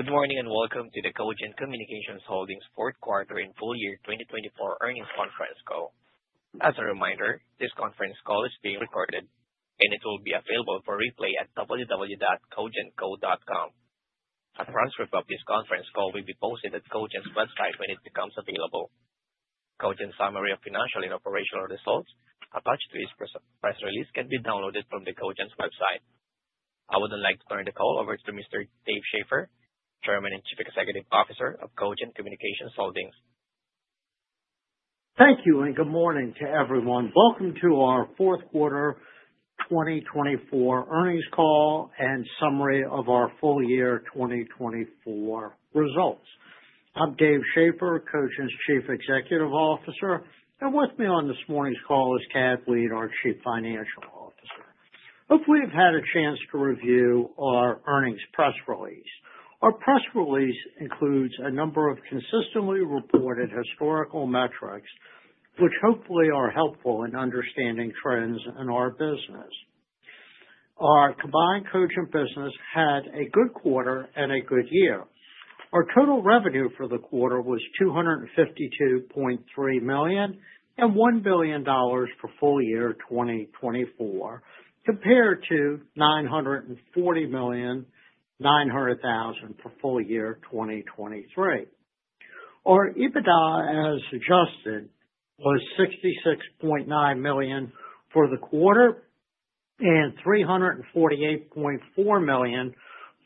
Good morning and welcome to the Cogent Communications Holdings' fourth quarter and full year 2024 earnings conference call. As a reminder, this conference call is being recorded, and it will be available for replay at www.cogentco.com. A transcript of this conference call will be posted at Cogent's website when it becomes available. Cogent's summary of financial and operational results attached to this press release can be downloaded from the Cogent's website. I would like to turn the call over to Mr. Dave Schaeffer, Chairman and Chief Executive Officer of Cogent Communications Holdings. Thank you, and good morning to everyone. Welcome to our fourth quarter 2024 earnings call and summary of our full year 2024 results. I'm Dave Schaeffer, Cogent's Chief Executive Officer, and with me on this morning's call is Tad Weed, our Chief Financial Officer. Hopefully, you've had a chance to review our earnings press release. Our press release includes a number of consistently reported historical metrics, which hopefully are helpful in understanding trends in our business. Our combined Cogent business had a good quarter and a good year. Our total revenue for the quarter was $252.3 million and $1 billion for full year 2024, compared to $940.9 million for full year 2023. Our EBITDA, as adjusted, was $66.9 million for the quarter and $348.4 million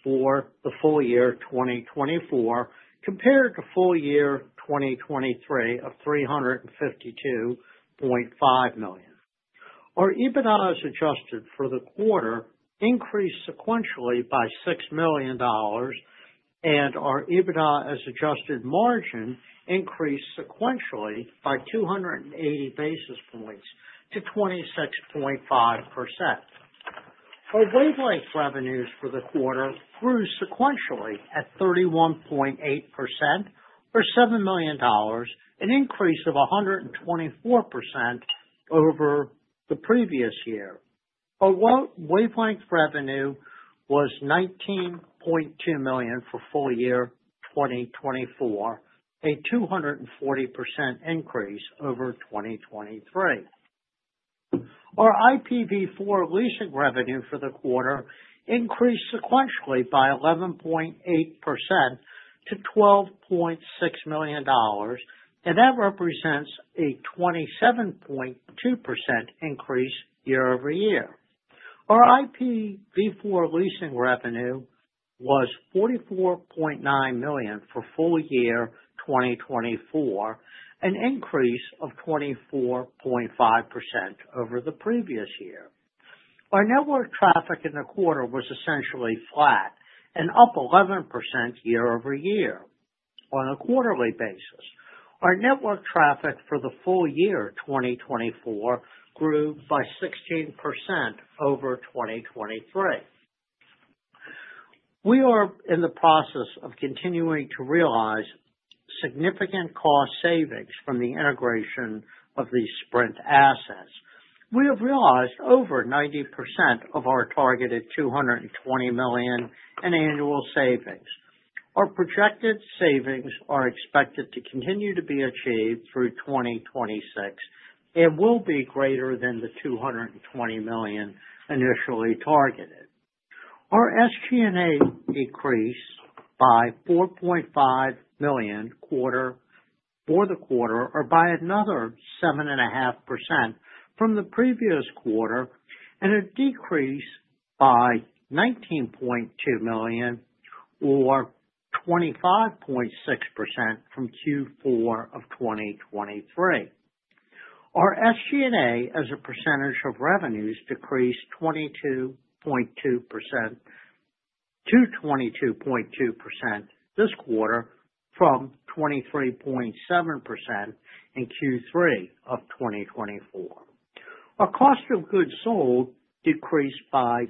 for the full year 2024, compared to full year 2023 of $352.5 million. Our EBITDA, as adjusted for the quarter, increased sequentially by $6 million, and our EBITDA, as adjusted margin, increased sequentially by 280 basis points to 26.5%. Our wavelength revenues for the quarter grew sequentially at 31.8% for $7 million, an increase of 124% over the previous year. Our wavelength revenue was $19.2 million for full year 2024, a 240% increase over 2023. Our IPv4 leasing revenue for the quarter increased sequentially by 11.8% to $12.6 million, and that represents a 27.2% increase year over year. Our IPv4 leasing revenue was $44.9 million for full year 2024, an increase of 24.5% over the previous year. Our network traffic in the quarter was essentially flat and up 11% year over year on a quarterly basis. Our network traffic for the full year 2024 grew by 16% over 2023. We are in the process of continuing to realize significant cost savings from the integration of these Sprint assets. We have realized over 90% of our targeted $220 million in annual savings. Our projected savings are expected to continue to be achieved through 2026 and will be greater than the $220 million initially targeted. Our SG&A decreased by 4.5 million for the quarter, or by another 7.5% from the previous quarter, and a decrease by 19.2 million or 25.6% from Q4 of 2023. Our SG&A, as a percentage of revenues, decreased 22.2% to 22.2% this quarter from 23.7% in Q3 of 2024. Our cost of goods sold decreased by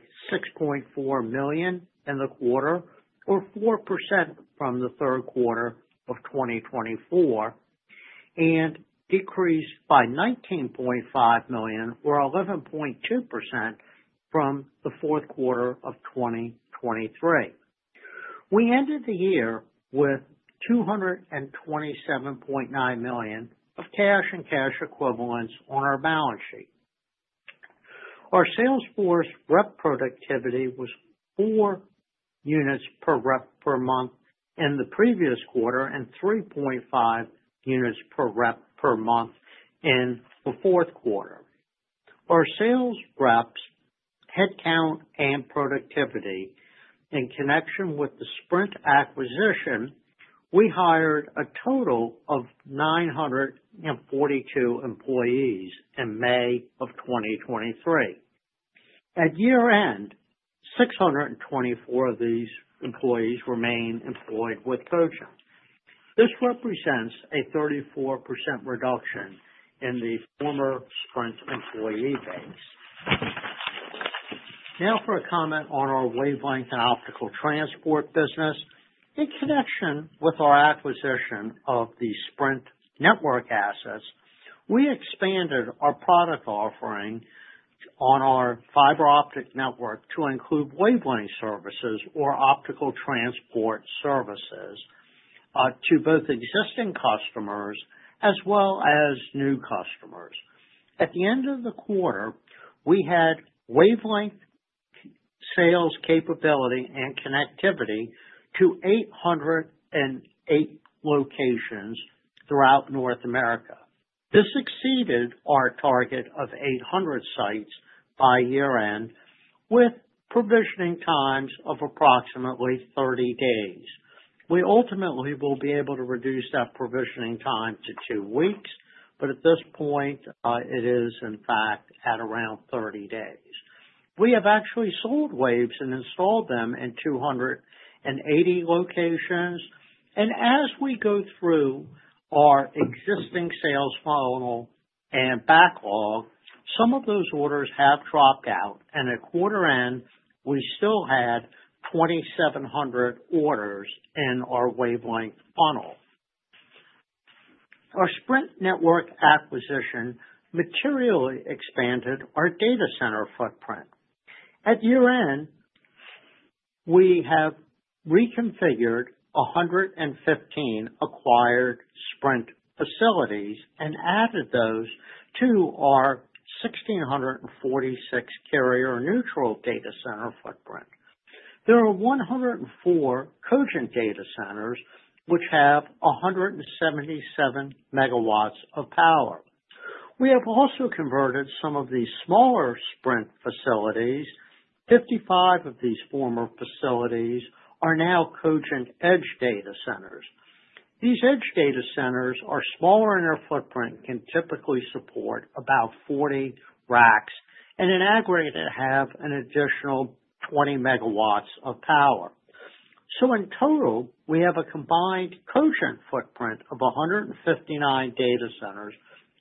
6.4 million in the quarter, or 4% from the third quarter of 2024, and decreased by 19.5 million, or 11.2% from the fourth quarter of 2023. We ended the year with $227.9 million of cash and cash equivalents on our balance sheet. Our sales force rep productivity was four units per rep per month in the previous quarter and 3.5 units per rep per month in the fourth quarter. Our sales reps, headcount, and productivity, in connection with the Sprint acquisition, we hired a total of 942 employees in May of 2023. At year-end, 624 of these employees remain employed with Cogent. This represents a 34% reduction in the former Sprint employee base. Now, for a comment on our wavelength and optical transport business, in connection with our acquisition of the Sprint network assets, we expanded our product offering on our fiber optic network to include wavelength services, or optical transport services, to both existing customers as well as new customers. At the end of the quarter, we had wavelength sales capability and connectivity to 808 locations throughout North America. This exceeded our target of 800 sites by year-end, with provisioning times of approximately 30 days. We ultimately will be able to reduce that provisioning time to two weeks, but at this point, it is, in fact, at around 30 days. We have actually sold waves and installed them in 280 locations, and as we go through our existing sales funnel and backlog, some of those orders have dropped out, and at quarter-end, we still had 2,700 orders in our wavelength funnel. Our Sprint network acquisition materially expanded our data center footprint. At year-end, we have reconfigured 115 acquired Sprint facilities and added those to our 1,646 carrier-neutral data center footprint. There are 104 Cogent data centers, which have 177 megawatts of power. We have also converted some of these smaller Sprint facilities. 55 of these former facilities are now Cogent edge data centers. These edge data centers are smaller in their footprint and can typically support about 40 racks, and in aggregate, they have an additional 20 megawatts of power. So, in total, we have a combined Cogent footprint of 159 data centers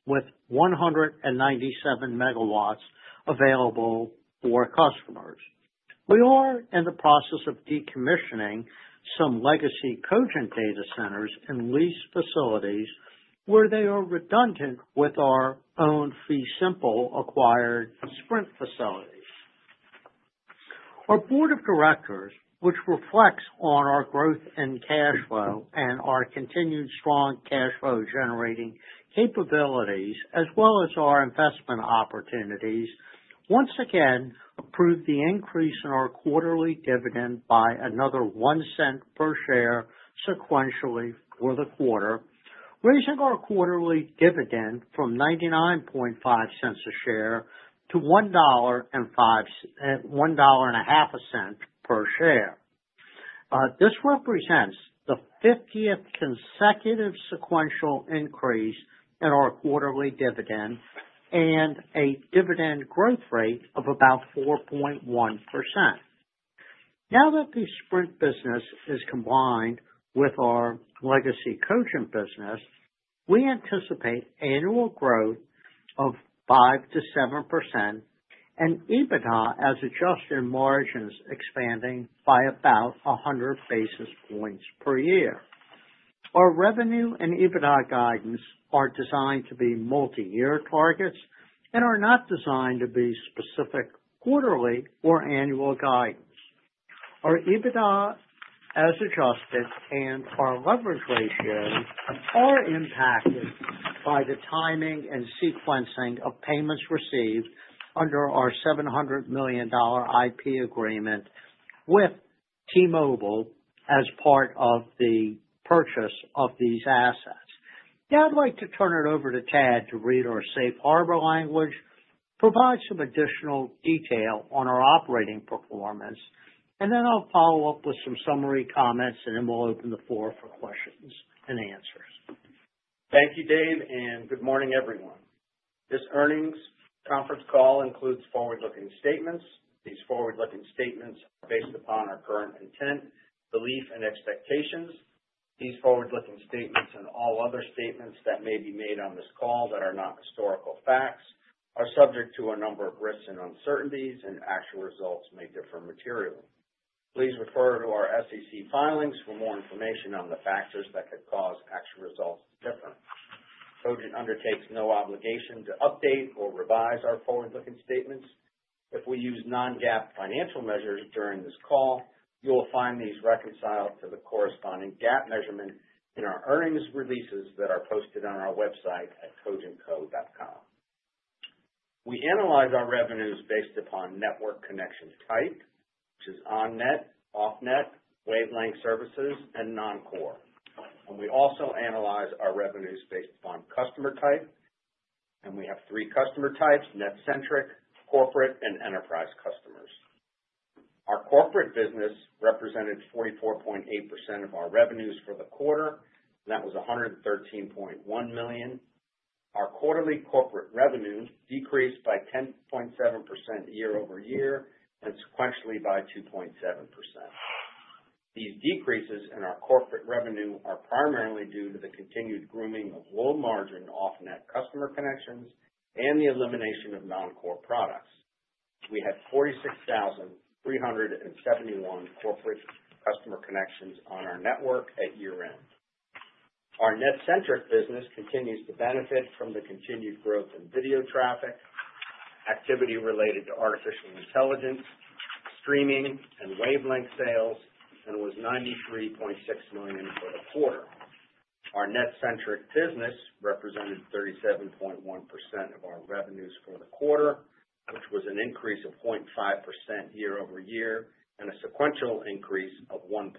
with 197 megawatts available for customers. We are in the process of decommissioning some legacy Cogent data centers and lease facilities where they are redundant with our own fee simple acquired Sprint facilities. Our board of directors, which reflects on our growth in cash flow and our continued strong cash flow-generating capabilities, as well as our investment opportunities, once again approved the increase in our quarterly dividend by another $0.01 per share sequentially for the quarter, raising our quarterly dividend from $0.99 a share to $1.50 per share. This represents the 50th consecutive sequential increase in our quarterly dividend and a dividend growth rate of about 4.1%. Now that the Sprint business is combined with our legacy Cogent business, we anticipate annual growth of 5%-7% and EBITDA, as adjusted margins, expanding by about 100 basis points per year. Our revenue and EBITDA guidance are designed to be multi-year targets and are not designed to be specific quarterly or annual guidance. Our EBITDA, as adjusted, and our leverage ratios are impacted by the timing and sequencing of payments received under our $700 million IP agreement with T-Mobile as part of the purchase of these assets. Now, I'd like to turn it over to Tad to read our safe harbor language, provide some additional detail on our operating performance, and then I'll follow up with some summary comments, and then we'll open the floor for questions and answers. Thank you, Dave, and good morning, everyone. This earnings conference call includes forward-looking statements. These forward-looking statements are based upon our current intent, belief, and expectations. These forward-looking statements and all other statements that may be made on this call that are not historical facts are subject to a number of risks and uncertainties, and actual results may differ materially. Please refer to our SEC filings for more information on the factors that could cause actual results to differ. Cogent undertakes no obligation to update or revise our forward-looking statements. If we use non-GAAP financial measures during this call, you'll find these reconciled to the corresponding GAAP measurement in our earnings releases that are posted on our website at cogentco.com. We analyze our revenues based upon network connection type, which is on-net, off-net, wavelength services, and non-core. We also analyze our revenues based upon customer type, and we have three customer types: NetCentric, corporate, and enterprise customers. Our corporate business represented 44.8% of our revenues for the quarter, and that was $113.1 million. Our quarterly corporate revenue decreased by 10.7% year over year and sequentially by 2.7%. These decreases in our corporate revenue are primarily due to the continued grooming of low-margin, off-net customer connections and the elimination of non-core products. We had 46,371 corporate customer connections on our network at year-end. Our NetCentric business continues to benefit from the continued growth in video traffic, activity related to artificial intelligence, streaming, and wavelength sales, and was $93.6 million for the quarter. Our NetCentric business represented 37.1% of our revenues for the quarter, which was an increase of 0.5% year over year and a sequential increase of 1.9%.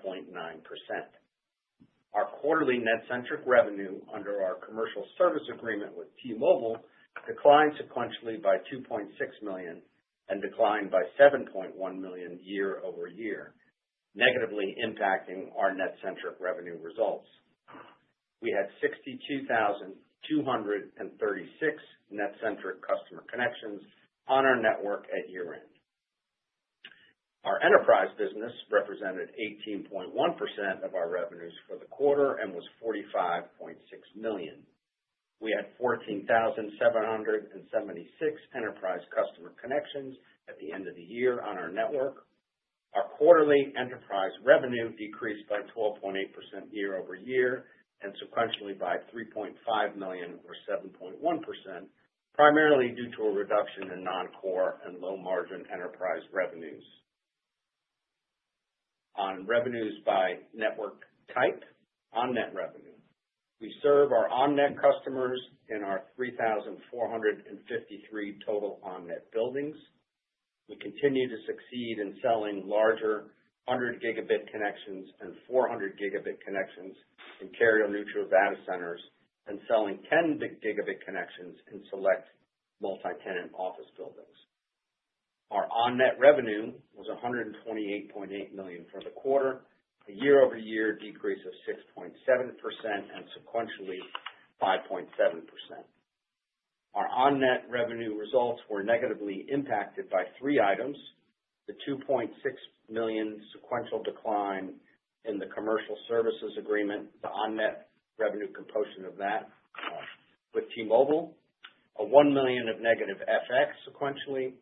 Our quarterly NetCentric revenue under our commercial service agreement with T-Mobile declined sequentially by $2.6 million and declined by $7.1 million year over year, negatively impacting our NetCentric revenue results. We had 62,236 NetCentric customer connections on our network at year-end. Our enterprise business represented 18.1% of our revenues for the quarter and was $45.6 million. We had 14,776 enterprise customer connections at the end of the year on our network. Our quarterly enterprise revenue decreased by 12.8% year over year and sequentially by $3.5 million, or 7.1%, primarily due to a reduction in non-core and low-margin enterprise revenues. On revenues by network type, on-net revenue, we serve our on-net customers in our 3,453 total on-net buildings. We continue to succeed in selling larger 100-gigabit connections and 400-gigabit connections in carrier-neutral data centers and selling 10-gigabit connections in select multi-tenant office buildings. Our on-net revenue was $128.8 million for the quarter, a year-over-year decrease of 6.7% and sequentially 5.7%. Our on-net revenue results were negatively impacted by three items: the $2.6 million sequential decline in the commercial services agreement, the on-net revenue composition of that with T-Mobile, a $1 million of negative FX sequentially,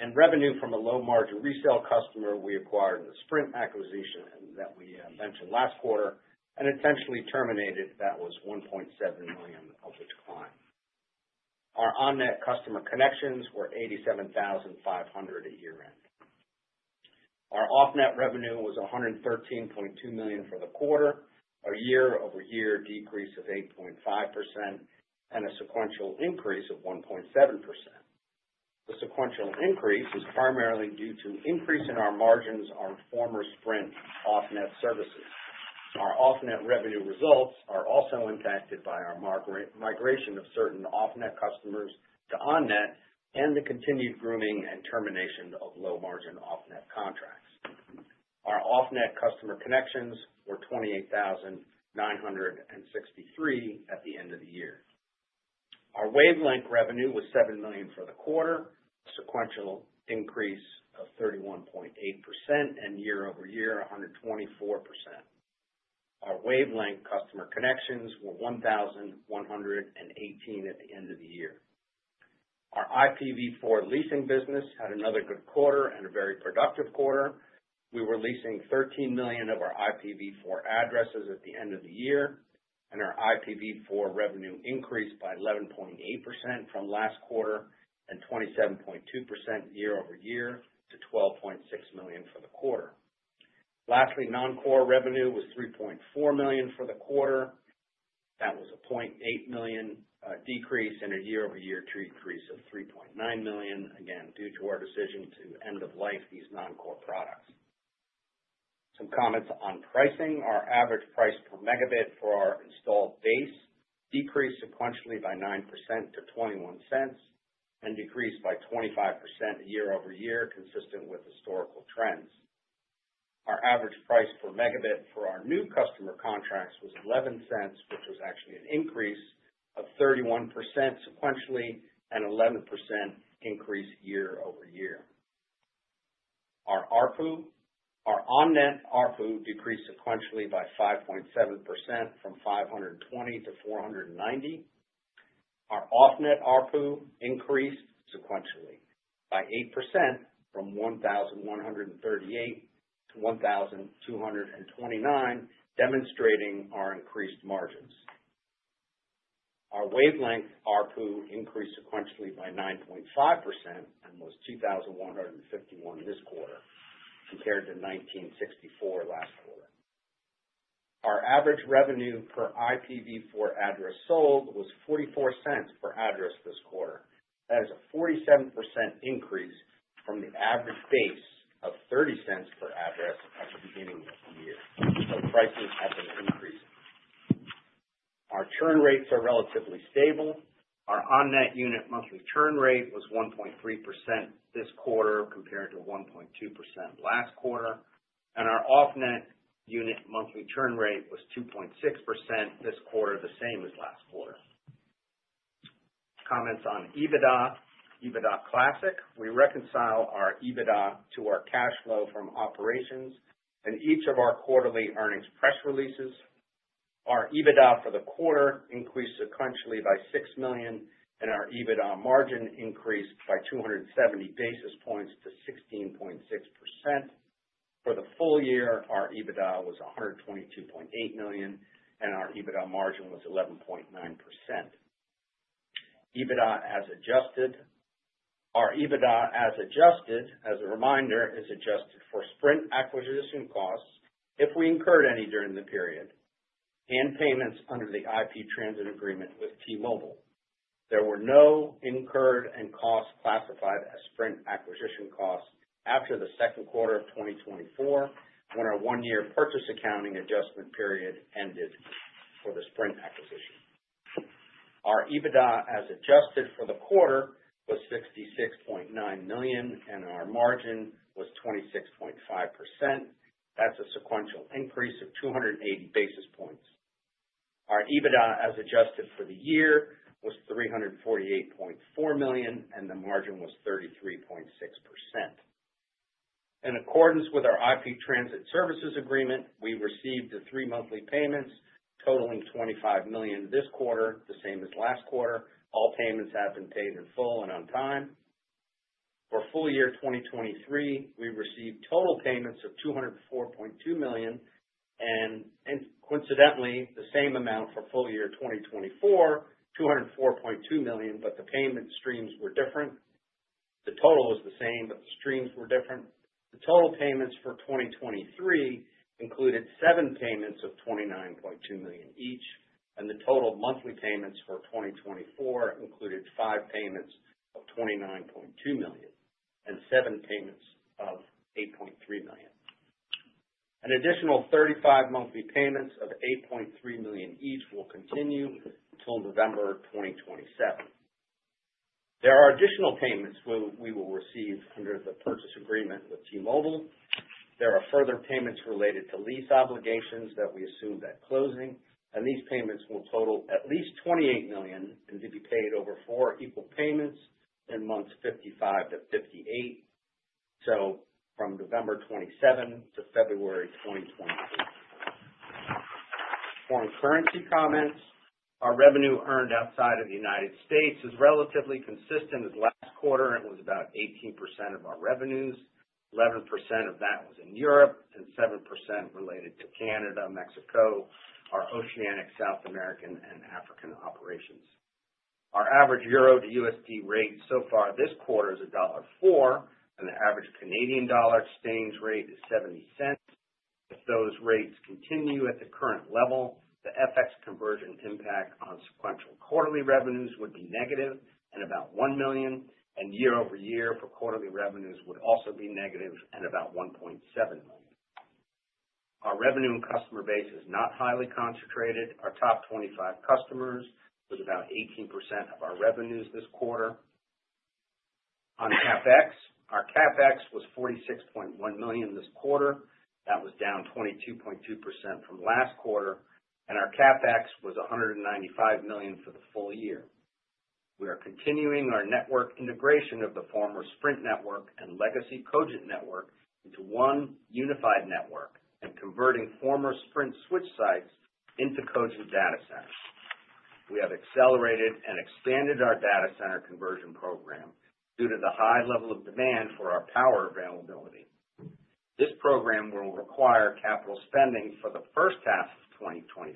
and revenue from a low-margin resale customer we acquired in the Sprint acquisition that we mentioned last quarter and essentially terminated. That was $1.7 million of the decline. Our on-net customer connections were 87,500 at year-end. Our off-net revenue was $113.2 million for the quarter, a year-over-year decrease of 8.5% and a sequential increase of 1.7%. The sequential increase is primarily due to an increase in our margins on former Sprint off-net services. Our off-net revenue results are also impacted by our migration of certain off-net customers to on-net and the continued grooming and termination of low-margin off-net contracts. Our off-net customer connections were 28,963 at the end of the year. Our wavelength revenue was $7 million for the quarter, a sequential increase of 31.8% and year-over-year 124%. Our wavelength customer connections were 1,118 at the end of the year. Our IPv4 leasing business had another good quarter and a very productive quarter. We were leasing 13 million of our IPv4 addresses at the end of the year, and our IPv4 revenue increased by 11.8% from last quarter and 27.2% year-over-year to $12.6 million for the quarter. Lastly, non-core revenue was $3.4 million for the quarter. That was a $0.8 million decrease and a year-over-year decrease of $3.9 million, again, due to our decision to end of life these non-core products. Some comments on pricing: our average price per megabit for our installed base decreased sequentially by 9% to $0.21 and decreased by 25% year-over-year, consistent with historical trends. Our average price per megabit for our new customer contracts was $0.11, which was actually an increase of 31% sequentially and an 11% increase year-over-year. Our on-net ARPU decreased sequentially by 5.7% from 520 to 490. Our off-net ARPU increased sequentially by 8% from 1,138 to 1,229, demonstrating our increased margins. Our wavelength ARPU increased sequentially by 9.5% and was 2,151 this quarter compared to 1,964 last quarter. Our average revenue per IPv4 address sold was $0.44 per address this quarter. That is a 47% increase from the average base of $0.30 per address at the beginning of the year. So prices have been increasing. Our churn rates are relatively stable. Our on-net unit monthly churn rate was 1.3% this quarter compared to 1.2% last quarter, and our off-net unit monthly churn rate was 2.6% this quarter, the same as last quarter. Comments on EBITDA. EBITDA classic, we reconcile our EBITDA to our cash flow from operations and each of our quarterly earnings press releases. Our EBITDA for the quarter increased sequentially by $6 million, and our EBITDA margin increased by 270 basis points to 16.6%. For the full year, our EBITDA was $122.8 million, and our EBITDA margin was 11.9%. EBITDA as adjusted. Our EBITDA as adjusted, as a reminder, is adjusted for Sprint acquisition costs if we incurred any during the period and payments under the IP transit agreement with T-Mobile. There were no costs incurred and classified as Sprint acquisition costs after the second quarter of 2024 when our one-year purchase accounting adjustment period ended for the Sprint acquisition. Our EBITDA as adjusted for the quarter was $66.9 million, and our margin was 26.5%. That's a sequential increase of 280 basis points. Our EBITDA as adjusted for the year was $348.4 million, and the margin was 33.6%. In accordance with our IP transit services agreement, we received the three monthly payments totaling $25 million this quarter, the same as last quarter. All payments have been paid in full and on time. For full year 2023, we received total payments of $204.2 million, and coincidentally, the same amount for full year 2024, $204.2 million, but the payment streams were different. The total was the same, but the streams were different. The total payments for 2023 included seven payments of $29.2 million each, and the total monthly payments for 2024 included five payments of $29.2 million and seven payments of $8.3 million. An additional 35 monthly payments of $8.3 million each will continue until November 2027. There are additional payments we will receive under the purchase agreement with T-Mobile. There are further payments related to lease obligations that we assume that closing, and these payments will total at least $28 million and to be paid over four equal payments in months 55 to 58, so from November 27 to February 2023. Foreign currency comments. Our revenue earned outside of the United States is relatively consistent. Last quarter, it was about 18% of our revenues. 11% of that was in Europe and 7% related to Canada, Mexico, our Oceania, South America, and Africa operations. Our average Euro to USD rate so far this quarter is $1.04, and the average Canadian dollar exchange rate is $0.70. If those rates continue at the current level, the FX conversion impact on sequential quarterly revenues would be negative and about $1 million, and year-over-year for quarterly revenues would also be negative and about $1.7 million. Our revenue and customer base is not highly concentrated. Our top 25 customers was about 18% of our revenues this quarter. On CapEx, our CapEx was $46.1 million this quarter. That was down 22.2% from last quarter, and our CapEx was $195 million for the full year. We are continuing our network integration of the former Sprint network and legacy Cogent network into one unified network and converting former Sprint switch sites into Cogent data centers. We have accelerated and expanded our data center conversion program due to the high level of demand for our power availability. This program will require capital spending for the first half of 2025.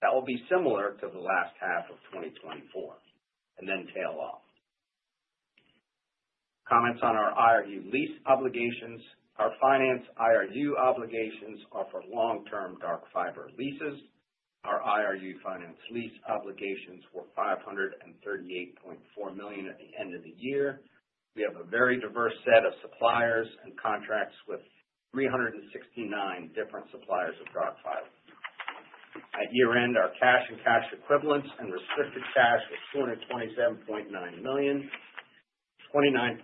That will be similar to the last half of 2024 and then tail off. Comments on our IRU lease obligations. Our finance IRU obligations are for long-term dark fiber leases. Our IRU finance lease obligations were $538.4 million at the end of the year. We have a very diverse set of suppliers and contracts with 369 different suppliers of dark fiber. At year-end, our cash and cash equivalents and restricted cash was $227.9 million. $29.4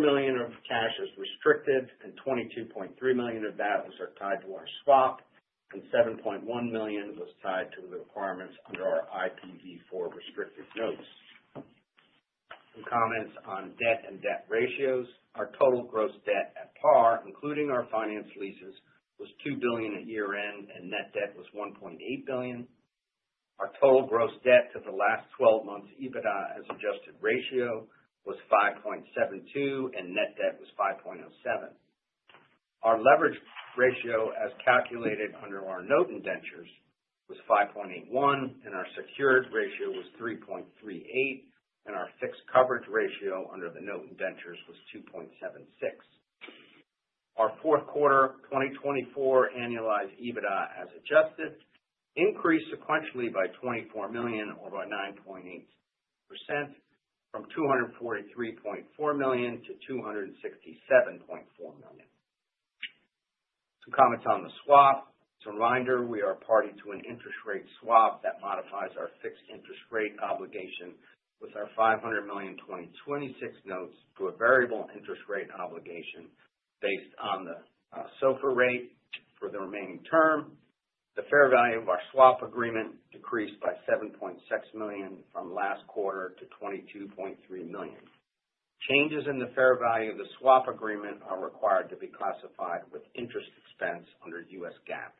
million of cash is restricted, and $22.3 million of that was tied to our swap, and $7.1 million was tied to the requirements under our IPv4 restricted notes. Some comments on debt and debt ratios. Our total gross debt at par, including our finance leases, was $2 billion at year-end, and net debt was $1.8 billion. Our total gross debt to the last 12 months EBITDA as adjusted ratio was 5.72, and net debt was 5.07. Our leverage ratio as calculated under our notes and indentures was 5.81, and our secured ratio was 3.38, and our fixed coverage ratio under the notes and indentures was 2.76. Our fourth quarter 2024 annualized EBITDA as adjusted increased sequentially by $24 million or by 9.8% from $243.4 million to $267.4 million. Some comments on the swap. As a reminder, we are party to an interest rate swap that modifies our fixed interest rate obligation with our $500 million 2026 notes to a variable interest rate obligation based on the SOFR rate for the remaining term. The fair value of our swap agreement decreased by $7.6 million from last quarter to $22.3 million. Changes in the fair value of the swap agreement are required to be classified with interest expense under U.S. GAAP.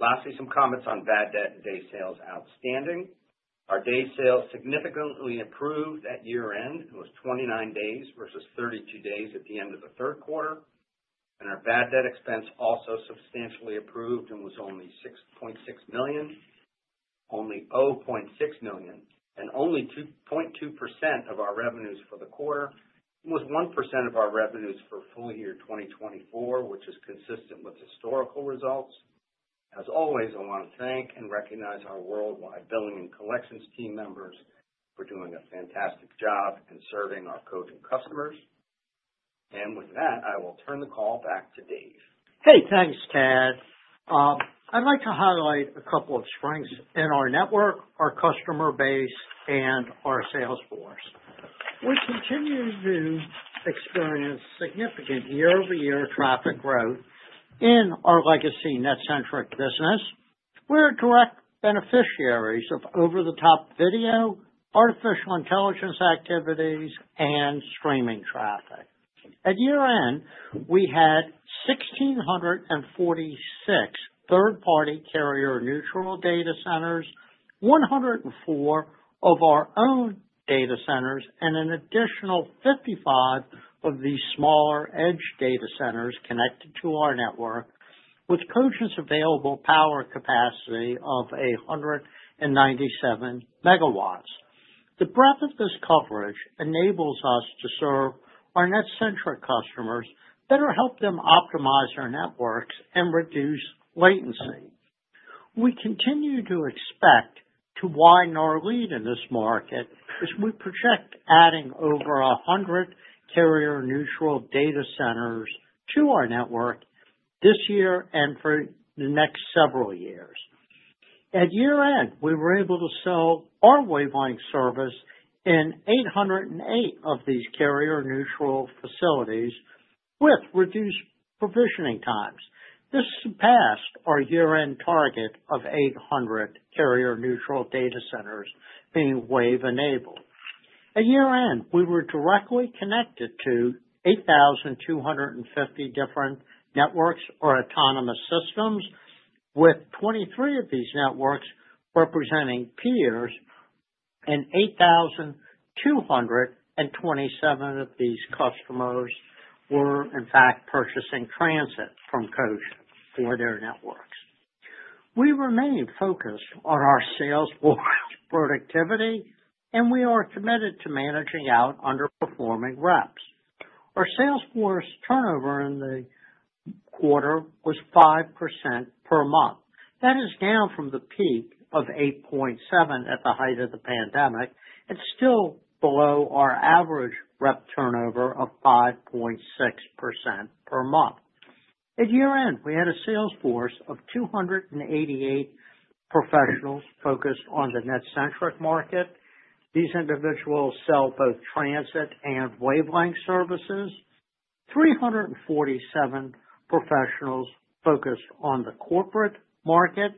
Lastly, some comments on bad debt and day sales outstanding. Our day sales significantly improved at year-end and was 29 days versus 32 days at the end of the third quarter, and our bad debt expense also substantially improved and was only $6.6 million, only $0.6 million, and only 2.2% of our revenues for the quarter. It was 1% of our revenues for full year 2024, which is consistent with historical results. As always, I want to thank and recognize our worldwide billing and collections team members for doing a fantastic job in serving our Cogent customers. And with that, I will turn the call back to Dave. Hey, thanks, Tad. I'd like to highlight a couple of strengths in our network, our customer base, and our sales force. We continue to experience significant year-over-year traffic growth in our legacy NetCentric business. We're direct beneficiaries of over-the-top video, artificial intelligence activities, and streaming traffic. At year-end, we had 1,646 third-party carrier-neutral data centers, 104 of our own data centers, and an additional 55 of these smaller edge data centers connected to our network with Cogent's available power capacity of 197 megawatts. The breadth of this coverage enables us to serve our NetCentric customers, better help them optimize our networks, and reduce latency. We continue to expect to widen our lead in this market as we project adding over 100 carrier-neutral data centers to our network this year and for the next several years. At year-end, we were able to sell our wavelength service in 808 of these carrier-neutral facilities with reduced provisioning times. This surpassed our year-end target of 800 carrier-neutral data centers being wave-enabled. At year-end, we were directly connected to 8,250 different networks or autonomous systems, with 23 of these networks representing peers and 8,227 of these customers were, in fact, purchasing transit from Cogent for their networks. We remained focused on our sales force productivity, and we are committed to managing out underperforming reps. Our sales force turnover in the quarter was 5% per month. That is down from the peak of 8.7% at the height of the pandemic and still below our average rep turnover of 5.6% per month. At year-end, we had a sales force of 288 professionals focused on the NetCentric market. These individuals sell both transit and wavelength services, 347 professionals focused on the corporate market,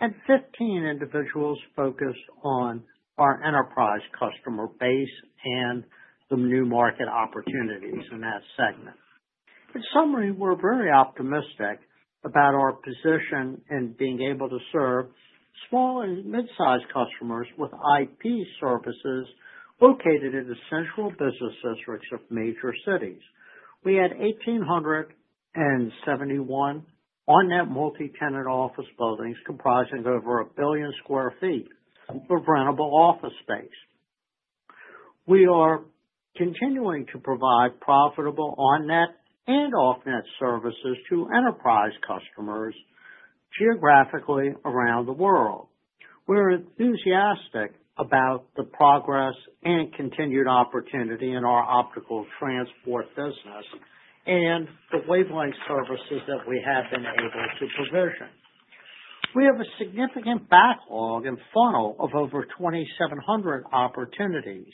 and 15 individuals focused on our enterprise customer base and the new market opportunities in that segment. In summary, we're very optimistic about our position in being able to serve small and mid-sized customers with IP services located in the central business districts of major cities. We had 1,871 on-net multi-tenant office buildings comprising over a billion sq ft of rentable office space. We are continuing to provide profitable on-net and off-net services to enterprise customers geographically around the world. We're enthusiastic about the progress and continued opportunity in our optical transport business and the wavelength services that we have been able to provision. We have a significant backlog and funnel of over 2,700 opportunities.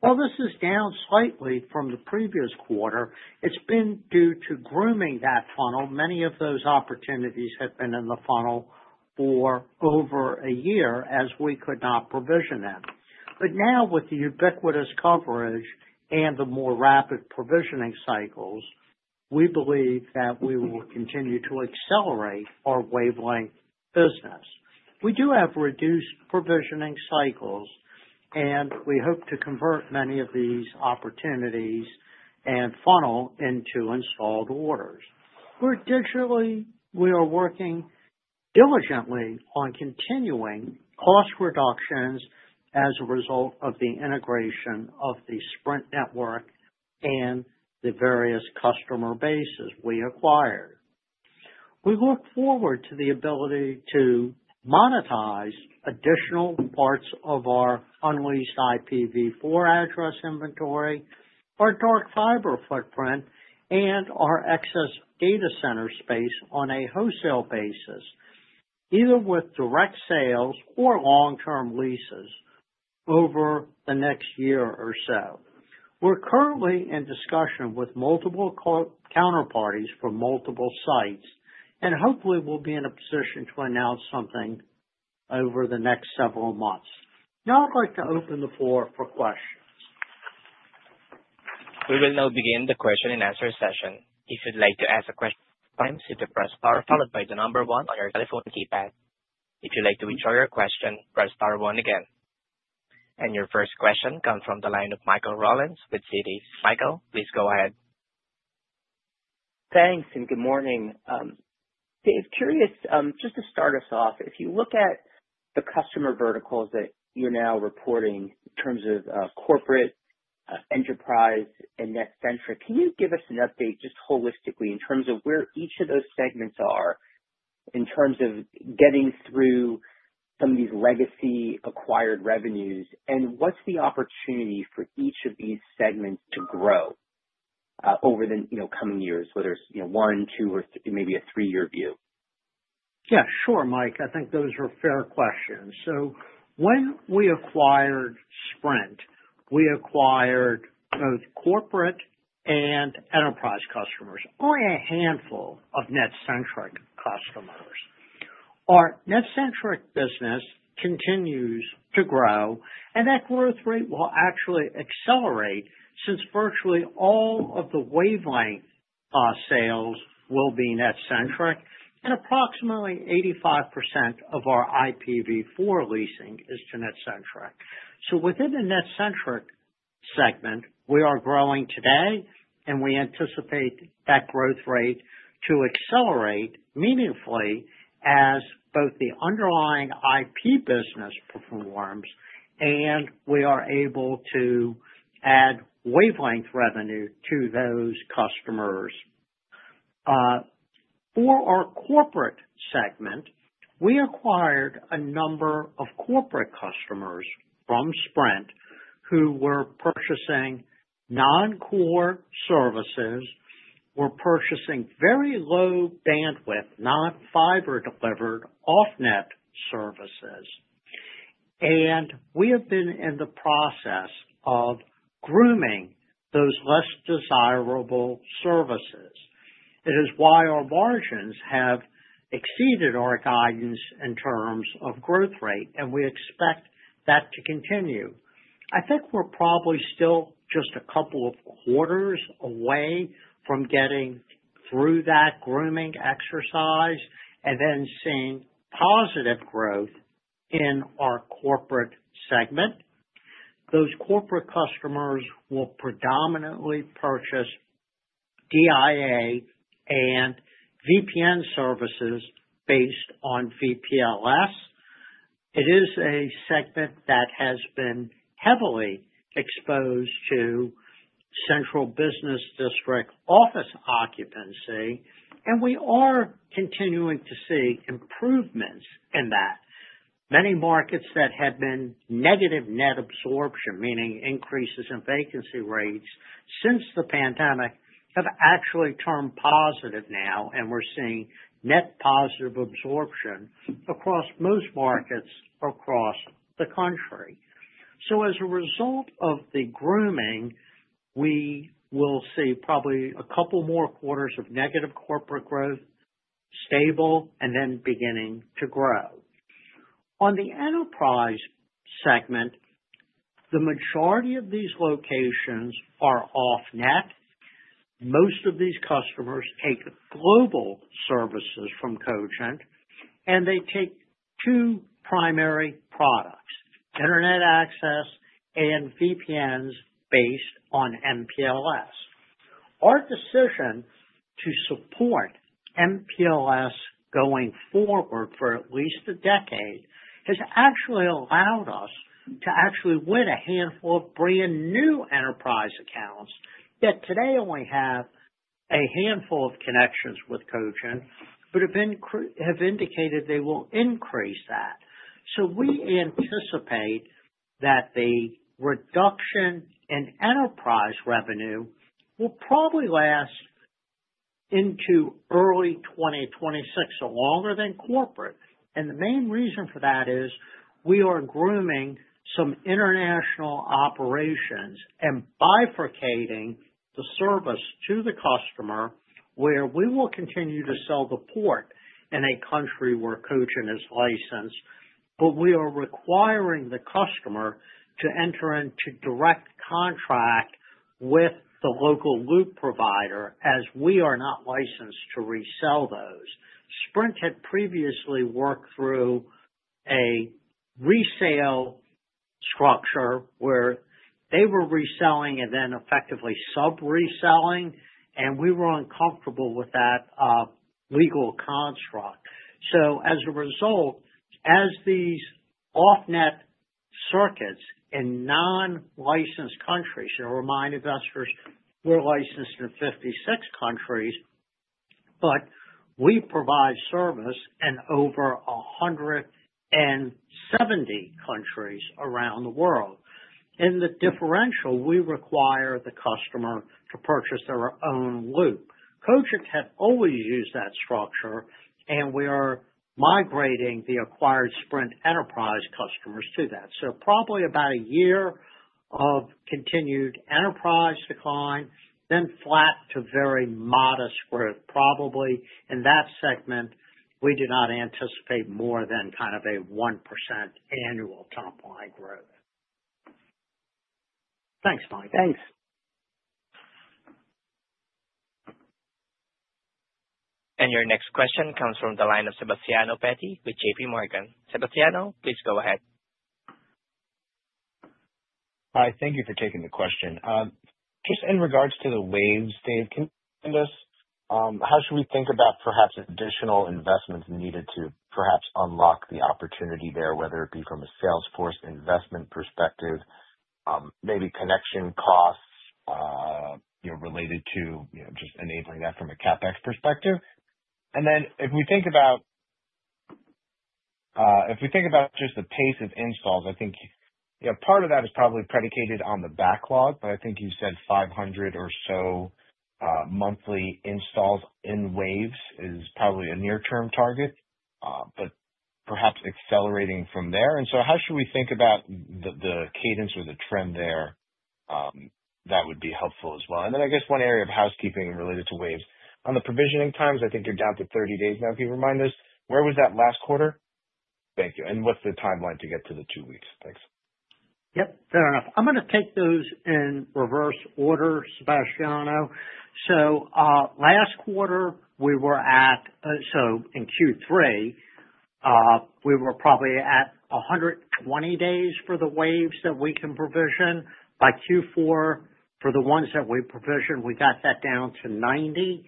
While this is down slightly from the previous quarter, it's been due to grooming that funnel. Many of those opportunities had been in the funnel for over a year as we could not provision them. But now, with the ubiquitous coverage and the more rapid provisioning cycles, we believe that we will continue to accelerate our wavelength business. We do have reduced provisioning cycles, and we hope to convert many of these opportunities and funnel into installed orders. We're digitally, we are working diligently on continuing cost reductions as a result of the integration of the Sprint network and the various customer bases we acquired. We look forward to the ability to monetize additional parts of our unleased IPv4 address inventory, our dark fiber footprint, and our excess data center space on a wholesale basis, either with direct sales or long-term leases over the next year or so. We're currently in discussion with multiple counterparties for multiple sites, and hopefully, we'll be in a position to announce something over the next several months. Now, I'd like to open the floor for questions. We will now begin the question and answer session. If you'd like to ask a question, press star followed by the number one on your telephone keypad. If you'd like to withdraw your question, press star one again. And your first question comes from the line of Michael Rollins with Citi. Michael, please go ahead. Thanks, and good morning. Dave, curious just to start us off, if you look at the customer verticals that you're now reporting in terms of corporate, enterprise, and NetCentric, can you give us an update just holistically in terms of where each of those segments are in terms of getting through some of these legacy acquired revenues? And what's the opportunity for each of these segments to grow over the coming years, whether it's one, two, or maybe a three-year view? Yeah, sure, Mike. I think those are fair questions. So when we acquired Sprint, we acquired both corporate and enterprise customers, only a handful of NetCentric customers. Our NetCentric business continues to grow, and that growth rate will actually accelerate since virtually all of the wavelength sales will be NetCentric, and approximately 85% of our IPv4 leasing is to NetCentric. So within the NetCentric segment, we are growing today, and we anticipate that growth rate to accelerate meaningfully as both the underlying IP business performs and we are able to add wavelength revenue to those customers. For our corporate segment, we acquired a number of corporate customers from Sprint who were purchasing non-core services, were purchasing very low bandwidth, not fiber-delivered off-net services. We have been in the process of grooming those less desirable services. It is why our margins have exceeded our guidance in terms of growth rate, and we expect that to continue. I think we're probably still just a couple of quarters away from getting through that grooming exercise and then seeing positive growth in our corporate segment. Those corporate customers will predominantly purchase DIA and VPN services based on VPLS. It is a segment that has been heavily exposed to central business district office occupancy, and we are continuing to see improvements in that. Many markets that had been negative net absorption, meaning increases in vacancy rates since the pandemic, have actually turned positive now, and we're seeing net positive absorption across most markets across the country. So as a result of the grooming, we will see probably a couple more quarters of negative corporate growth, stable, and then beginning to grow. On the enterprise segment, the majority of these locations are off-net. Most of these customers take global services from Cogent, and they take two primary products: internet access and VPNs based on MPLS. Our decision to support MPLS going forward for at least a decade has actually allowed us to actually win a handful of brand new enterprise accounts that today only have a handful of connections with Cogent but have indicated they will increase that. So we anticipate that the reduction in enterprise revenue will probably last into early 2026, so longer than corporate. The main reason for that is we are grooming some international operations and bifurcating the service to the customer, where we will continue to sell the port in a country where Cogent is licensed, but we are requiring the customer to enter into direct contract with the local loop provider as we are not licensed to resell those. Sprint had previously worked through a resale structure where they were reselling and then effectively sub-reselling, and we were uncomfortable with that legal construct. As a result, as these off-net circuits in non-licensed countries, and remind investors, we're licensed in 56 countries, but we provide service in over 170 countries around the world. In the differential, we require the customer to purchase their own loop. Cogent had always used that structure, and we are migrating the acquired Sprint enterprise customers to that. So probably about a year of continued enterprise decline, then flat to very modest growth. Probably in that segment, we do not anticipate more than kind of a 1% annual top-line growth. Thanks, Mike. Thanks. And your next question comes from the line of Sebastiano Petti with J.P. Morgan. Sebastiano, please go ahead. Hi, thank you for taking the question. Just in regards to the waves, Dave, can you explain to us how should we think about perhaps additional investments needed to perhaps unlock the opportunity there, whether it be from a sales force investment perspective, maybe connection costs related to just enabling that from a CapEx perspective? And then if we think about just the pace of installs, I think part of that is probably predicated on the backlog, but I think you said 500 or so monthly installs in waves is probably a near-term target, but perhaps accelerating from there. And so how should we think about the cadence or the trend there? That would be helpful as well. And then I guess one area of housekeeping related to waves. On the provisioning times, I think you're down to 30 days now. Can you remind us where was that last quarter? Thank you. And what's the timeline to get to the two weeks? Thanks. Yep, fair enough. I'm going to take those in reverse order, Sebastiano. So last quarter, so in Q3, we were probably at 120 days for the waves that we can provision. By Q4, for the ones that we provisioned, we got that down to 90.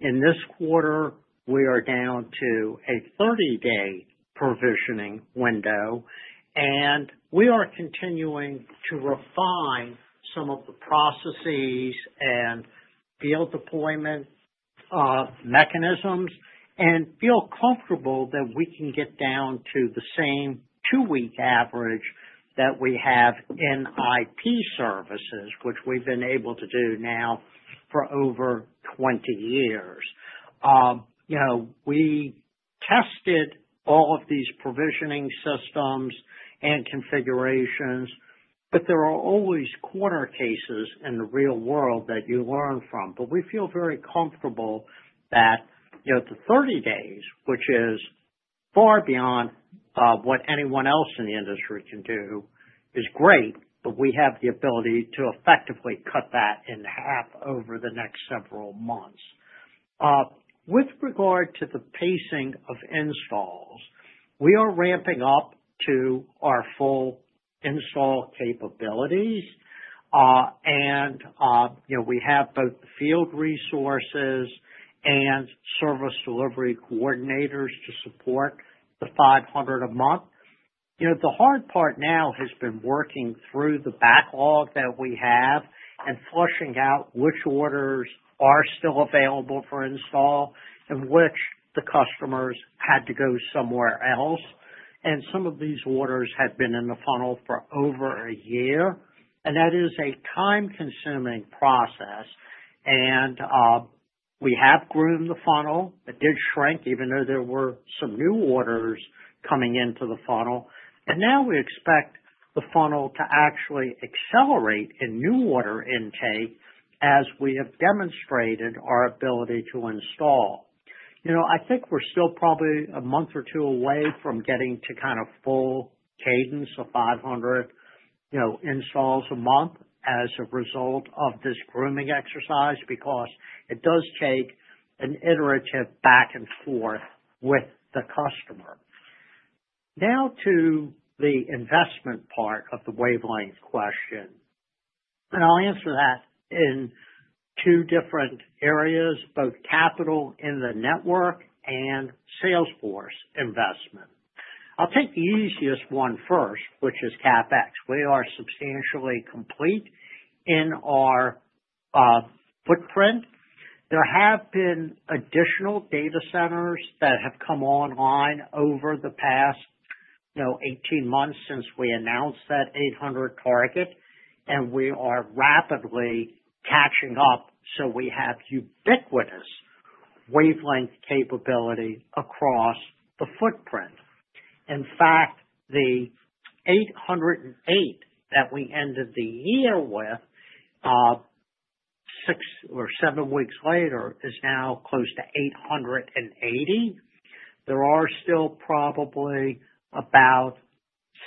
In this quarter, we are down to a 30-day provisioning window. And we are continuing to refine some of the processes and field deployment mechanisms and feel comfortable that we can get down to the same two-week average that we have in IP services, which we've been able to do now for over 20 years. We tested all of these provisioning systems and configurations, but there are always corner cases in the real world that you learn from. But we feel very comfortable that the 30 days, which is far beyond what anyone else in the industry can do, is great, but we have the ability to effectively cut that in half over the next several months. With regard to the pacing of installs, we are ramping up to our full install capabilities, and we have both the field resources and service delivery coordinators to support the 500 a month. The hard part now has been working through the backlog that we have and flushing out which orders are still available for install and which the customers had to go somewhere else. And some of these orders had been in the funnel for over a year, and that is a time-consuming process. And we have groomed the funnel. It did shrink even though there were some new orders coming into the funnel. And now we expect the funnel to actually accelerate in new order intake as we have demonstrated our ability to install. I think we're still probably a month or two away from getting to kind of full cadence of 500 installs a month as a result of this grooming exercise because it does take an iterative back and forth with the customer. Now to the investment part of the wavelength question, and I'll answer that in two different areas, both capital in the network and sales force investment. I'll take the easiest one first, which is CapEx. We are substantially complete in our footprint. There have been additional data centers that have come online over the past 18 months since we announced that 800 target, and we are rapidly catching up, so we have ubiquitous wavelength capability across the footprint. In fact, the 808 that we ended the year with six or seven weeks later is now close to 880. There are still probably about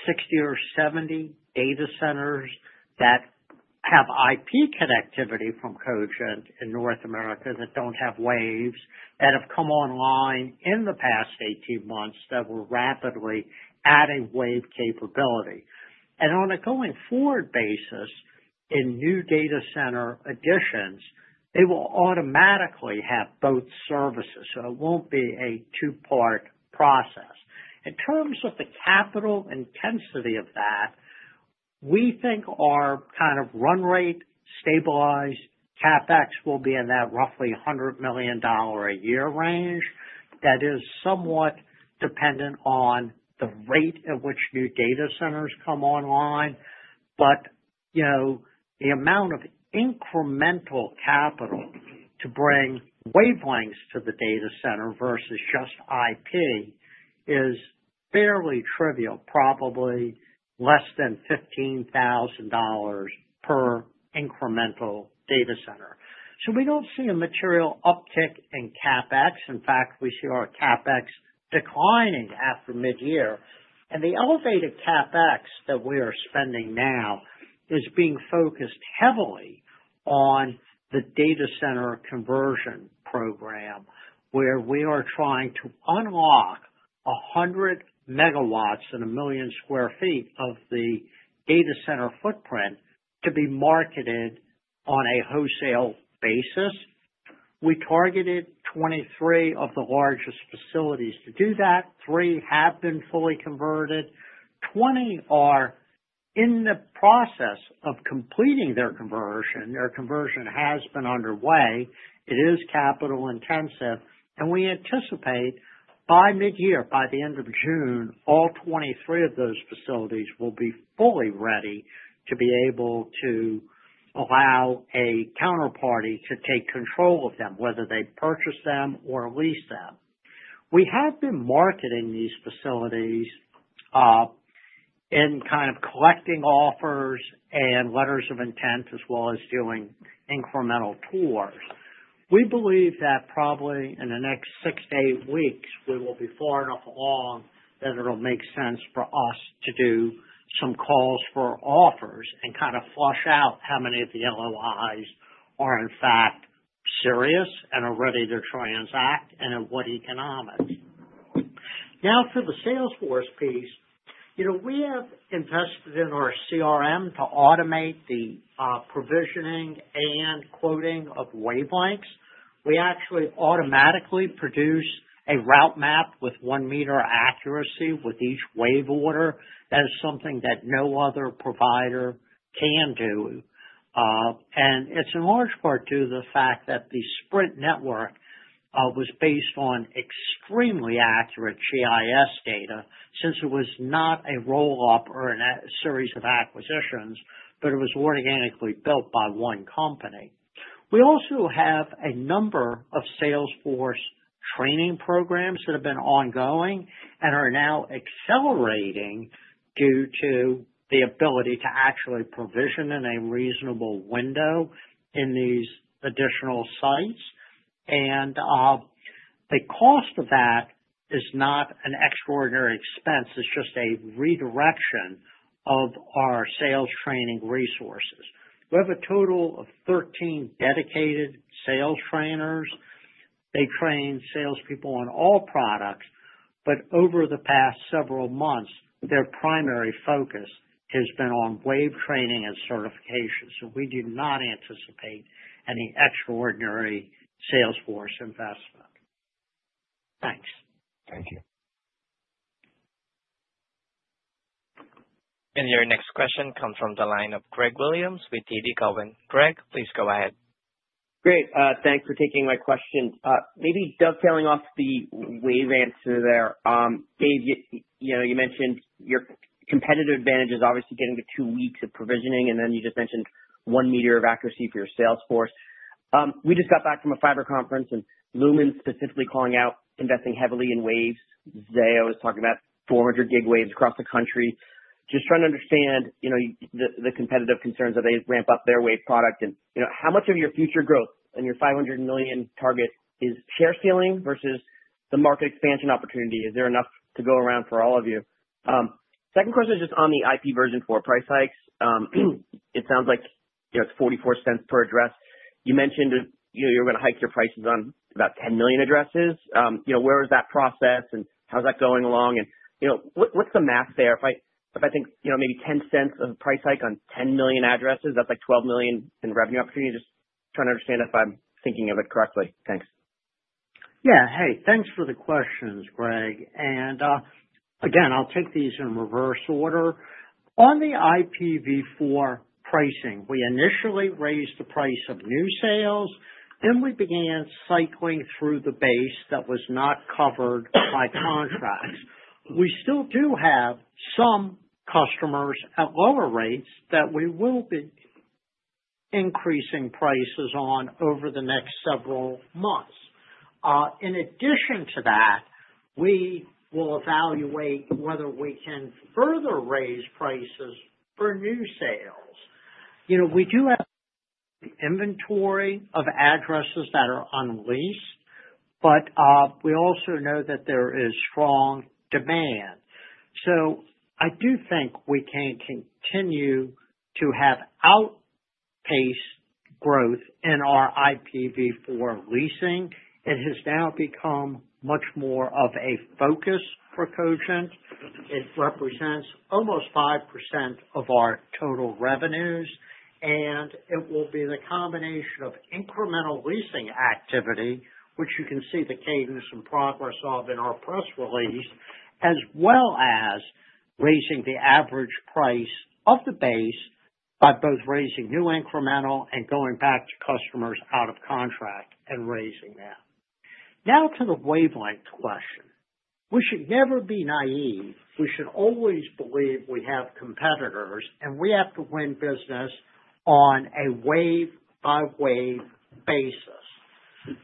60 or 70 data centers that have IP connectivity from Cogent in North America that don't have waves that have come online in the past 18 months that were rapidly adding wave capability, and on a going-forward basis, in new data center additions, they will automatically have both services, so it won't be a two-part process. In terms of the capital intensity of that, we think our kind of run rate stabilized. CapEx will be in that roughly $100 million a year range that is somewhat dependent on the rate at which new data centers come online, but the amount of incremental capital to bring wavelengths to the data center versus just IP is fairly trivial, probably less than $15,000 per incremental data center, so we don't see a material uptick in CapEx. In fact, we see our CapEx declining after mid-year. The elevated CapEx that we are spending now is being focused heavily on the data center conversion program, where we are trying to unlock 100 megawatts in a million sq ft of the data center footprint to be marketed on a wholesale basis. We targeted 23 of the largest facilities to do that. Three have been fully converted. 20 are in the process of completing their conversion. Their conversion has been underway. It is capital intensive, and we anticipate by mid-year, by the end of June, all 23 of those facilities will be fully ready to be able to allow a counterparty to take control of them, whether they purchase them or lease them. We have been marketing these facilities and kind of collecting offers and letters of intent, as well as doing incremental tours. We believe that probably in the next six to eight weeks, we will be far enough along that it'll make sense for us to do some calls for offers and kind of flush out how many of the LOIs are in fact serious and are ready to transact and at what economics. Now, for the Salesforce piece, we have invested in our CRM to automate the provisioning and quoting of wavelengths. We actually automatically produce a route map with one-meter accuracy with each wave order. That is something that no other provider can do, and it's in large part due to the fact that the Sprint network was based on extremely accurate GIS data since it was not a roll-up or a series of acquisitions, but it was organically built by one company. We also have a number of Salesforce training programs that have been ongoing and are now accelerating due to the ability to actually provision in a reasonable window in these additional sites. And the cost of that is not an extraordinary expense. It's just a redirection of our sales training resources. We have a total of 13 dedicated sales trainers. They train salespeople on all products, but over the past several months, their primary focus has been on wave training and certification. So we do not anticipate any extraordinary Salesforce investment. Thanks. Thank you. And your next question comes from the line of Greg Williams with J.P. Morgan. Greg, please go ahead. Great. Thanks for taking my question. Maybe dovetailing off the wave answer there, Dave, you mentioned your competitive advantage is obviously getting the two weeks of provisioning, and then you just mentioned one meter of accuracy for your Salesforce. We just got back from a fiber conference, and Lumen specifically calling out investing heavily in waves. Zayo was talking about 400-gig waves across the country. Just trying to understand the competitive concerns that they ramp up their wave product. And how much of your future growth and your $500 million target is share ceiling versus the market expansion opportunity? Is there enough to go around for all of you? Second question is just on the IPv4 price hikes. It sounds like it's 44 cents per address. You mentioned you're going to hike your prices on about 10 million addresses. Where is that process, and how's that going along? And what's the math there? If I think maybe 10 cents of price hike on 10 million addresses, that's like $12 million in revenue opportunity. Just trying to understand if I'm thinking of it correctly. Thanks. Yeah. Hey, thanks for the questions, Greg. And again, I'll take these in reverse order. On the IPv4 pricing, we initially raised the price of new sales, and we began cycling through the base that was not covered by contracts. We still do have some customers at lower rates that we will be increasing prices on over the next several months. In addition to that, we will evaluate whether we can further raise prices for new sales. We do have inventory of addresses that are unleased, but we also know that there is strong demand. So I do think we can continue to have outpace growth in our IPv4 leasing. It has now become much more of a focus for Cogent. It represents almost 5% of our total revenues, and it will be the combination of incremental leasing activity, which you can see the cadence and progress of in our press release, as well as raising the average price of the base by both raising new incremental and going back to customers out of contract and raising that. Now to the wavelength question. We should never be naive. We should always believe we have competitors, and we have to win business on a wave-by-wave basis.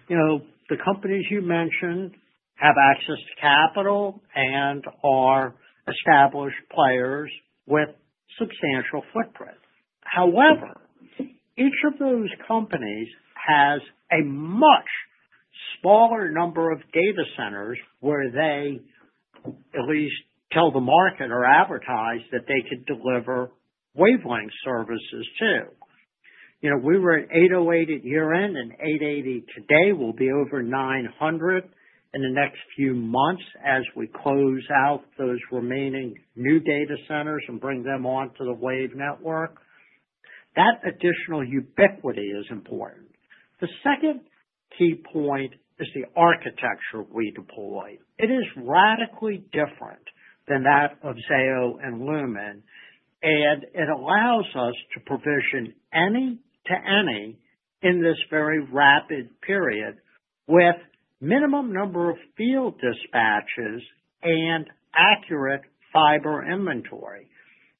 The companies you mentioned have access to capital and are established players with substantial footprint. However, each of those companies has a much smaller number of data centers where they at least tell the market or advertise that they could deliver wavelength services to. We were at 808 at year-end and 880 today. We'll be over 900 in the next few months as we close out those remaining new data centers and bring them onto the wave network. That additional ubiquity is important. The second key point is the architecture we deploy. It is radically different than that of Zayo and Lumen, and it allows us to provision any to any in this very rapid period with minimum number of field dispatches and accurate fiber inventory.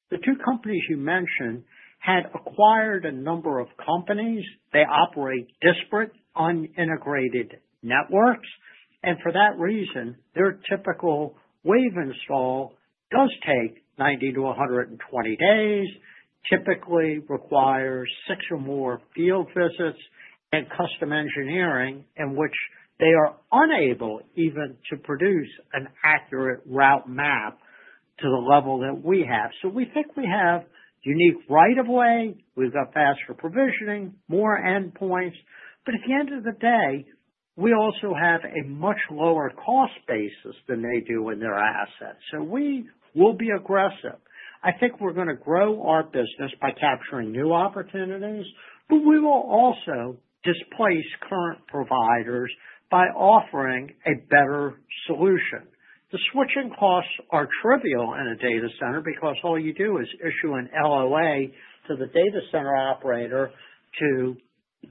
The two companies you mentioned had acquired a number of companies. They operate disparate unintegrated networks, and for that reason, their typical wave install does take 90-120 days, typically requires six or more field visits and custom engineering, in which they are unable even to produce an accurate route map to the level that we have. So we think we have unique right of way. We've got faster provisioning, more endpoints. But at the end of the day, we also have a much lower cost basis than they do in their assets. So we will be aggressive. I think we're going to grow our business by capturing new opportunities, but we will also displace current providers by offering a better solution. The switching costs are trivial in a data center because all you do is issue an LOA to the data center operator to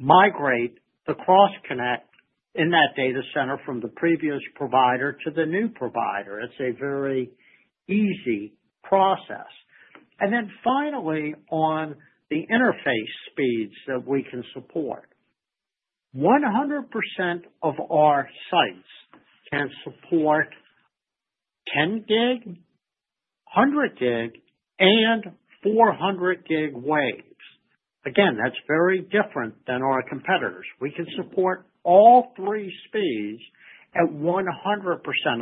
migrate the cross-connect in that data center from the previous provider to the new provider. It's a very easy process. And then finally, on the interface speeds that we can support, 100% of our sites can support 10 gig, 100 gig, and 400 gig waves. Again, that's very different than our competitors. We can support all three speeds at 100%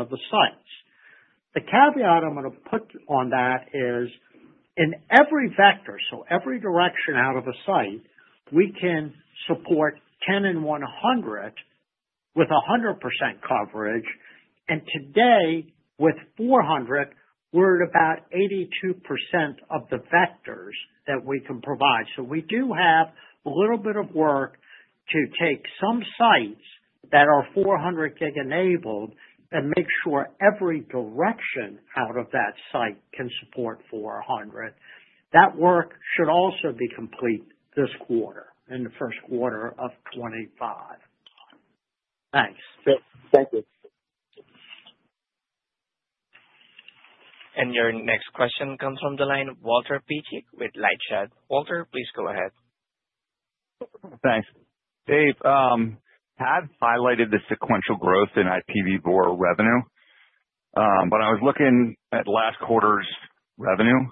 of the sites. The caveat I'm going to put on that is in every vector, so every direction out of a site, we can support 10 and 100 with 100% coverage. And today, with 400, we're at about 82% of the vectors that we can provide. So we do have a little bit of work to take some sites that are 400 gig enabled and make sure every direction out of that site can support 400. That work should also be complete this quarter, in the first quarter of 2025. Thanks. Thank you. And your next question comes from the line of Walter Piecyk with LightShed. Walter, please go ahead. Thanks. Dave, Tad highlighted the sequential growth in IPv4 revenue, but I was looking at last quarter's revenue.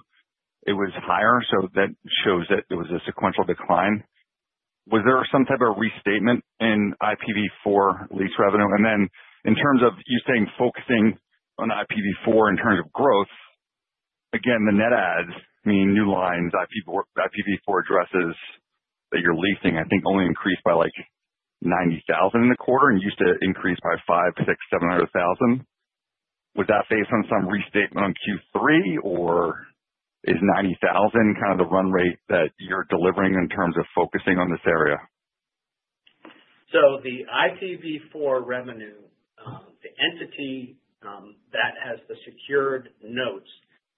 It was higher, so that shows that there was a sequential decline. Was there some type of restatement in IPv4 lease revenue? And then in terms of you saying focusing on IPv4 in terms of growth, again, the net adds, I mean, new lines, IPv4 addresses that you're leasing, I think only increased by like 90,000 in the quarter and used to increase by 5, 6, 700,000. Was that based on some restatement on Q3, or is 90,000 kind of the run rate that you're delivering in terms of focusing on this area? So the IPv4 revenue, the entity that has the secured notes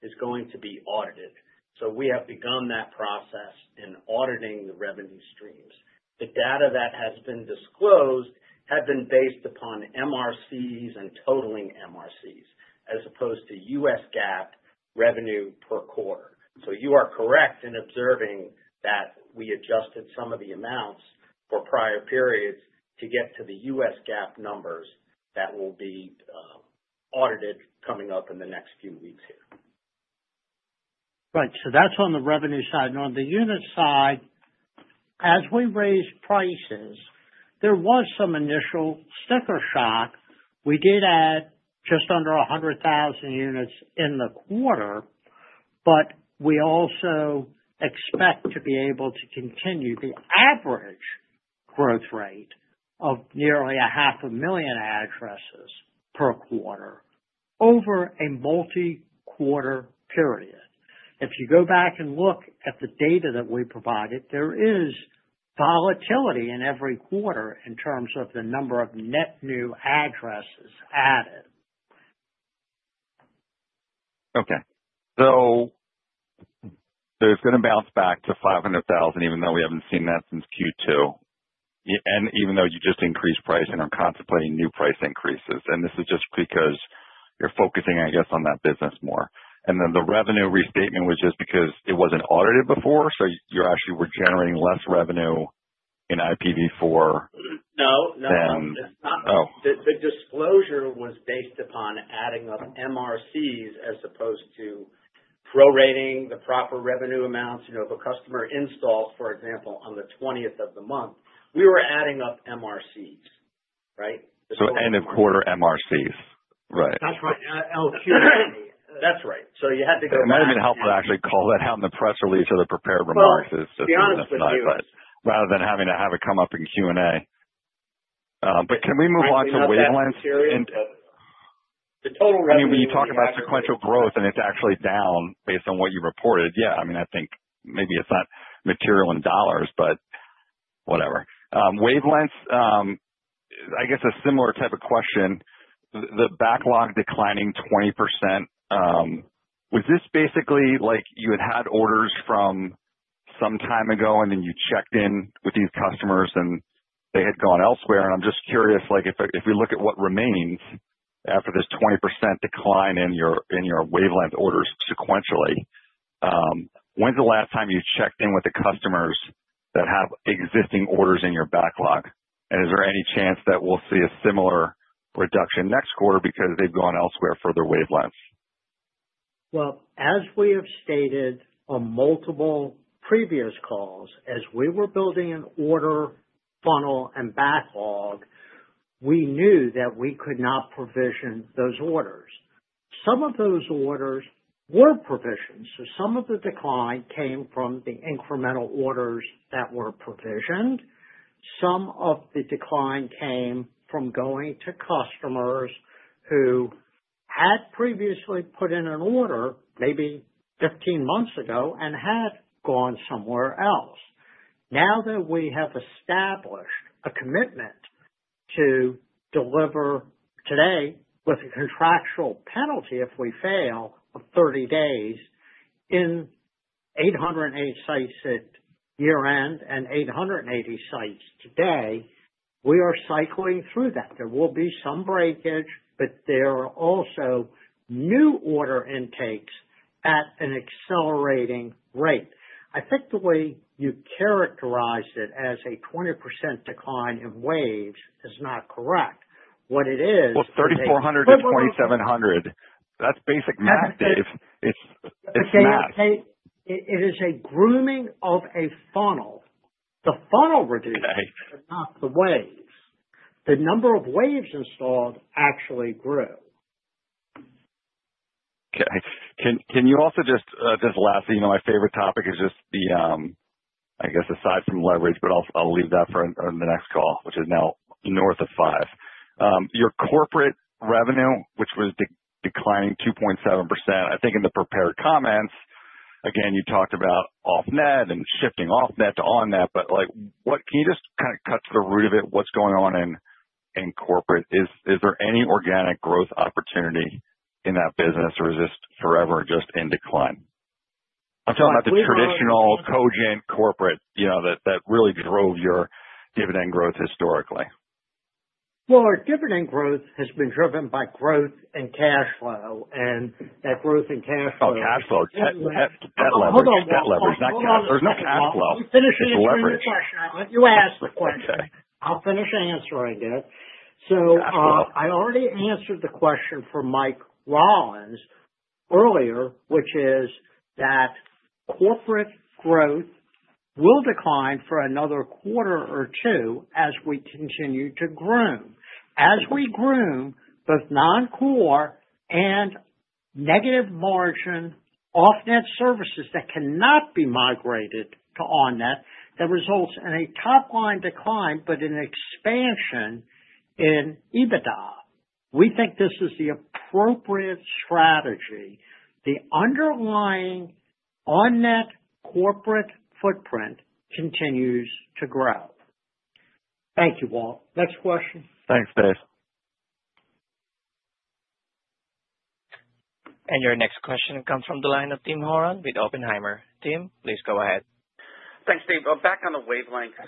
is going to be audited. So we have begun that process in auditing the revenue streams. The data that has been disclosed had been based upon MRCs and totaling MRCs as opposed to U.S. GAAP revenue per quarter. So you are correct in observing that we adjusted some of the amounts for prior periods to get to the U.S. GAAP numbers that will be audited coming up in the next few weeks here. Right. So that's on the revenue side. And on the unit side, as we raise prices, there was some initial sticker shock. We did add just under 100,000 units in the quarter, but we also expect to be able to continue the average growth rate of nearly 500,000 addresses per quarter over a multi-quarter period. If you go back and look at the data that we provided, there is volatility in every quarter in terms of the number of net new addresses added. Okay. So it's going to bounce back to 500,000, even though we haven't seen that since Q2, and even though you just increased pricing or contemplating new price increases. This is just because you're focusing, I guess, on that business more. Then the revenue restatement was just because it wasn't audited before, so you actually were generating less revenue in IPv4 than. No, no, no. The disclosure was based upon adding up MRCs as opposed to prorating the proper revenue amounts. If a customer installs, for example, on the 20th of the month, we were adding up MRCs, right? So end of quarter MRCs. Right. That's right. Oh, Q&A. That's right. So you had to go back. It might have been helpful to actually call that out in the press release or the prepared remarks. It's just not useful to us. Rather than having to have it come up in Q&A. Can we move on to wavelengths? The total revenue. I mean, when you talk about sequential growth and it's actually down based on what you reported, yeah, I mean, I think maybe it's not material in dollars, but whatever. Wavelengths, I guess a similar type of question. The backlog declining 20%, was this basically like you had had orders from some time ago and then you checked in with these customers and they had gone elsewhere? And I'm just curious, if we look at what remains after this 20% decline in your wavelength orders sequentially, when's the last time you checked in with the customers that have existing orders in your backlog? And is there any chance that we'll see a similar reduction next quarter because they've gone elsewhere for their wavelengths? Well, as we have stated on multiple previous calls, as we were building an order funnel and backlog, we knew that we could not provision those orders. Some of those orders were provisioned. So some of the decline came from the incremental orders that were provisioned. Some of the decline came from going to customers who had previously put in an order maybe 15 months ago and had gone somewhere else. Now that we have established a commitment to deliver today with a contractual penalty if we fail of 30 days in 808 sites at year-end and 880 sites today, we are cycling through that. There will be some breakage, but there are also new order intakes at an accelerating rate. I think the way you characterized it as a 20% decline in waves is not correct. What it is. Well, 3,400 to 2,700. That's basic math, Dave. It's math. It is a grooming of a funnel. The funnel reduced, but not the waves. The number of waves installed actually grew. Okay. Can you also just this last thing? My favorite topic is just the, I guess, aside from leverage, but I'll leave that for the next call, which is now north of five. Your corporate revenue, which was declining 2.7%, I think in the prepared comments, again, you talked about off-net and shifting off-net to on-net. But can you just kind of cut to the root of it? What's going on in corporate? Is there any organic growth opportunity in that business, or is it just forever just in decline? I'm talking about the traditional Cogent corporate that really drove your dividend growth historically. Well, our dividend growth has been driven by growth and cash flow. And that growth and cash flow. Oh, cash flow. That leverage. That leverage. There's no cash flow. You finish any of your questions. You asked the question. I'll finish answering it. So I already answered the question from Mike Rollins earlier, which is that corporate growth will decline for another quarter or two as we continue to groom. As we groom both non-core and negative margin off-net services that cannot be migrated to on-net, that results in a top-line decline but an expansion in EBITDA. We think this is the appropriate strategy. The underlying on-net corporate footprint continues to grow. Thank you, Walt. Next question. Thanks, Dave. And your next question comes from the line of Tim Horan with Oppenheimer. Tim, please go ahead. Thanks, Dave. Back on the wavelengths,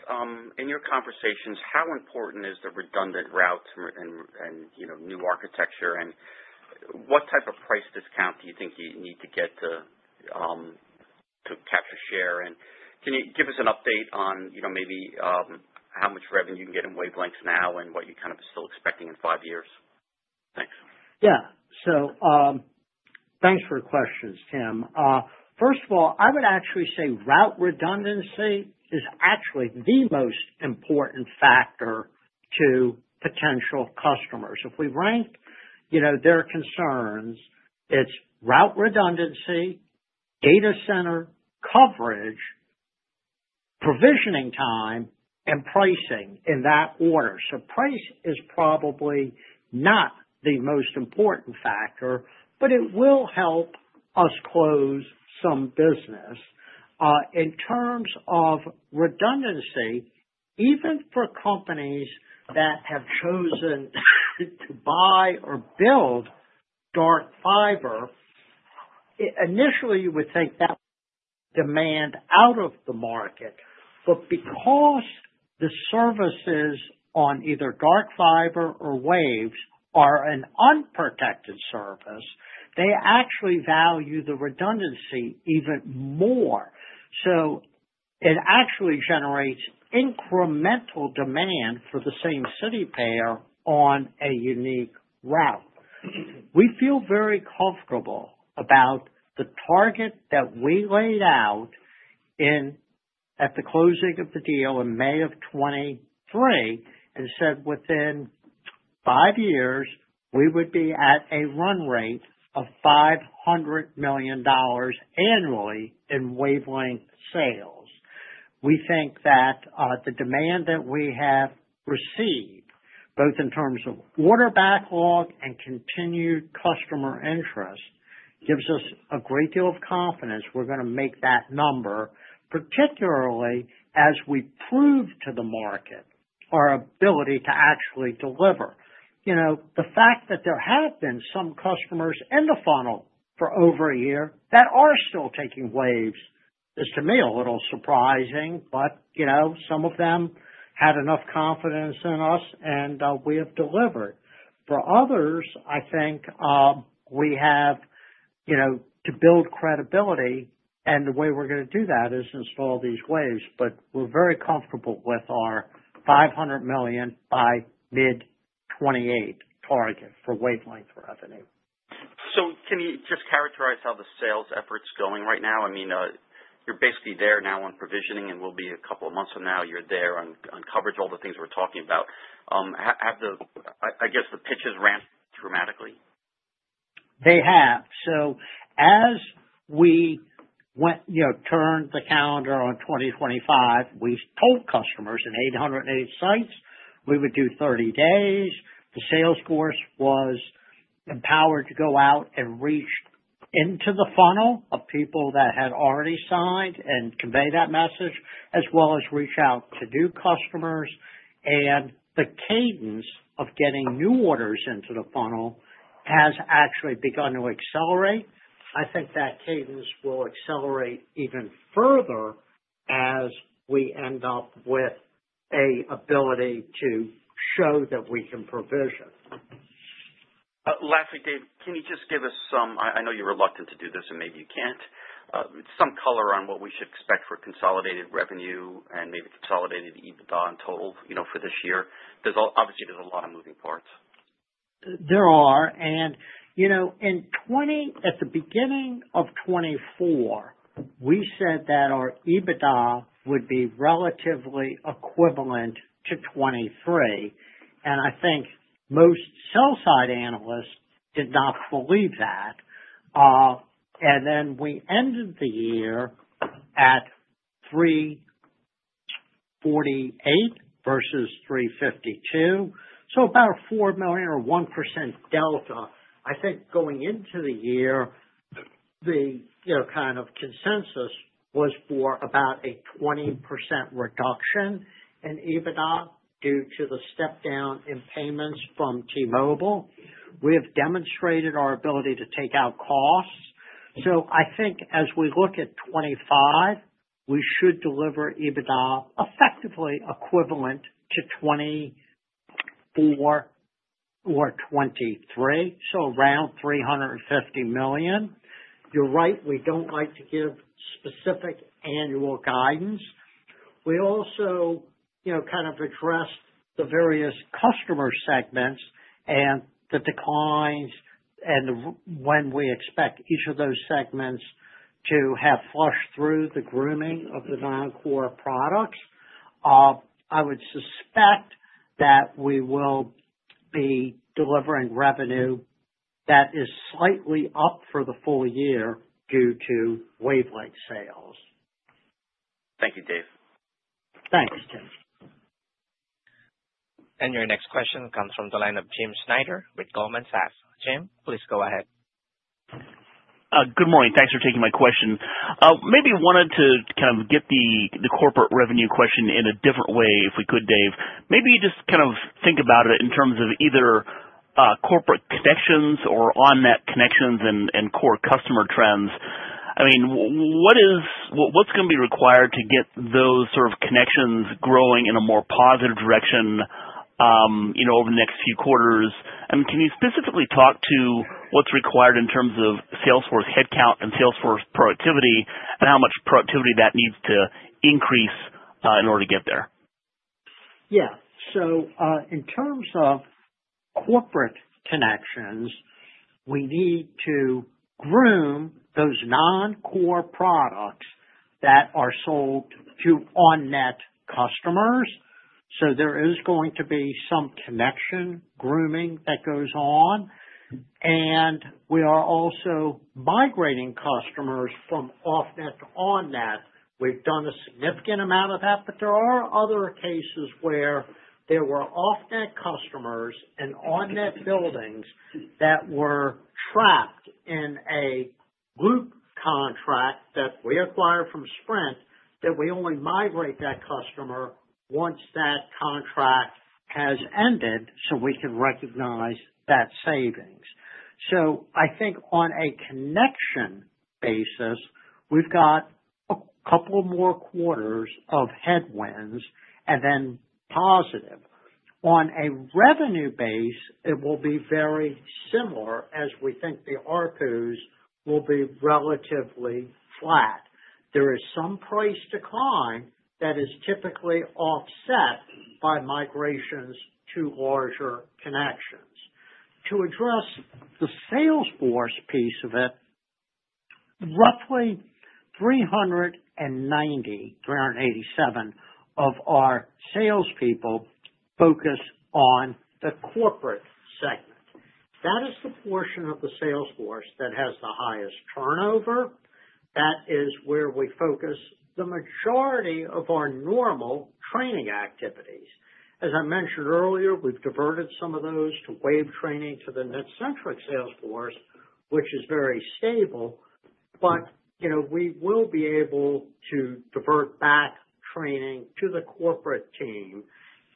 in your conversations, how important is the redundant route and new architecture? And what type of price discount do you think you need to get to capture share? Can you give us an update on maybe how much revenue you can get in wavelengths now and what you kind of are still expecting in five years? Thanks. Yeah. Thanks for your questions, Tim. First of all, I would actually say route redundancy is actually the most important factor to potential customers. If we rank their concerns, it's route redundancy, data center coverage, provisioning time, and pricing in that order. Price is probably not the most important factor, but it will help us close some business. In terms of redundancy, even for companies that have chosen to buy or build dark fiber, initially, you would think that demand out of the market. But because the services on either dark fiber or waves are an unprotected service, they actually value the redundancy even more. So it actually generates incremental demand for the same city pair on a unique route. We feel very comfortable about the target that we laid out at the closing of the deal in May of 2023 and said within five years, we would be at a run rate of $500 million annually in wavelength sales. We think that the demand that we have received, both in terms of order backlog and continued customer interest, gives us a great deal of confidence we're going to make that number, particularly as we prove to the market our ability to actually deliver. The fact that there have been some customers in the funnel for over a year that are still taking waves is to me a little surprising, but some of them had enough confidence in us, and we have delivered. For others, I think we have to build credibility, and the way we're going to do that is install these waves, but we're very comfortable with our $500 million by mid-2028 target for wavelength revenue. So can you just characterize how the sales effort's going right now? I mean, you're basically there now on provisioning, and we'll be a couple of months from now, you're there on coverage, all the things we're talking about. I guess the pitch has ramped dramatically? They have. So as we turned the calendar on 2025, we told customers in 808 sites we would do 30 days. The sales force was empowered to go out and reach into the funnel of people that had already signed and convey that message, as well as reach out to new customers. And the cadence of getting new orders into the funnel has actually begun to accelerate. I think that cadence will accelerate even further as we end up with an ability to show that we can provision. Lastly, Dave, can you just give us some, I know you're reluctant to do this, and maybe you can't, some color on what we should expect for consolidated revenue and maybe consolidated EBITDA in total for this year? Obviously, there's a lot of moving parts. There are. And at the beginning of 2024, we said that our EBITDA would be relatively equivalent to 2023. And I think most sell-side analysts did not believe that. And then we ended the year at 348 versus 352, so about a 4 million or 1% delta. I think going into the year, the kind of consensus was for about a 20% reduction in EBITDA due to the step-down in payments from T-Mobile. We have demonstrated our ability to take out costs. So I think as we look at 2025, we should deliver EBITDA effectively equivalent to 2024 or 2023, so around $350 million. You're right. We don't like to give specific annual guidance. We also kind of address the various customer segments and the declines and when we expect each of those segments to have flushed through the grooming of the non-core products. I would suspect that we will be delivering revenue that is slightly up for the full year due to wavelength sales. Thank you, Dave. Thanks, Tim. And your next question comes from the line of Jim Schneider with Goldman Sachs. Jim, please go ahead. Good morning. Thanks for taking my question. Maybe wanted to kind of get the corporate revenue question in a different way if we could, Dave. Maybe just kind of think about it in terms of either corporate connections or on-net connections and core customer trends. I mean, what's going to be required to get those sort of connections growing in a more positive direction over the next few quarters? And can you specifically talk to what's required in terms of sales force headcount and sales force productivity and how much productivity that needs to increase in order to get there? Yeah. So in terms of corporate connections, we need to groom those non-core products that are sold to on-net customers. So there is going to be some connection grooming that goes on. And we are also migrating customers from off-net to on-net. We've done a significant amount of that, but there are other cases where there were off-net customers and on-net buildings that were trapped in a group contract that we acquired from Sprint that we only migrate that customer once that contract has ended so we can recognize that savings. So I think on a connection basis, we've got a couple more quarters of headwinds and then positive. On a revenue base, it will be very similar as we think the ARPUs will be relatively flat. There is some price decline that is typically offset by migrations to larger connections. To address the sales force piece of it, roughly 390, 387 of our salespeople focus on the corporate segment. That is the portion of the sales force that has the highest turnover. That is where we focus the majority of our normal training activities. As I mentioned earlier, we've diverted some of those to wave training to the NetCentric sales force, which is very stable. But we will be able to divert back training to the corporate team.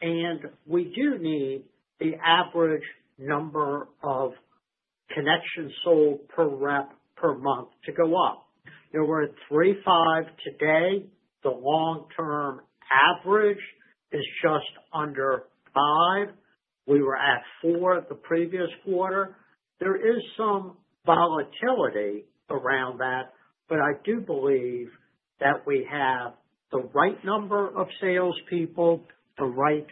And we do need the average number of connections sold per rep per month to go up. We're at 3,500 today. The long-term average is just under 5. We were at 4 the previous quarter. There is some volatility around that, but I do believe that we have the right number of salespeople, the right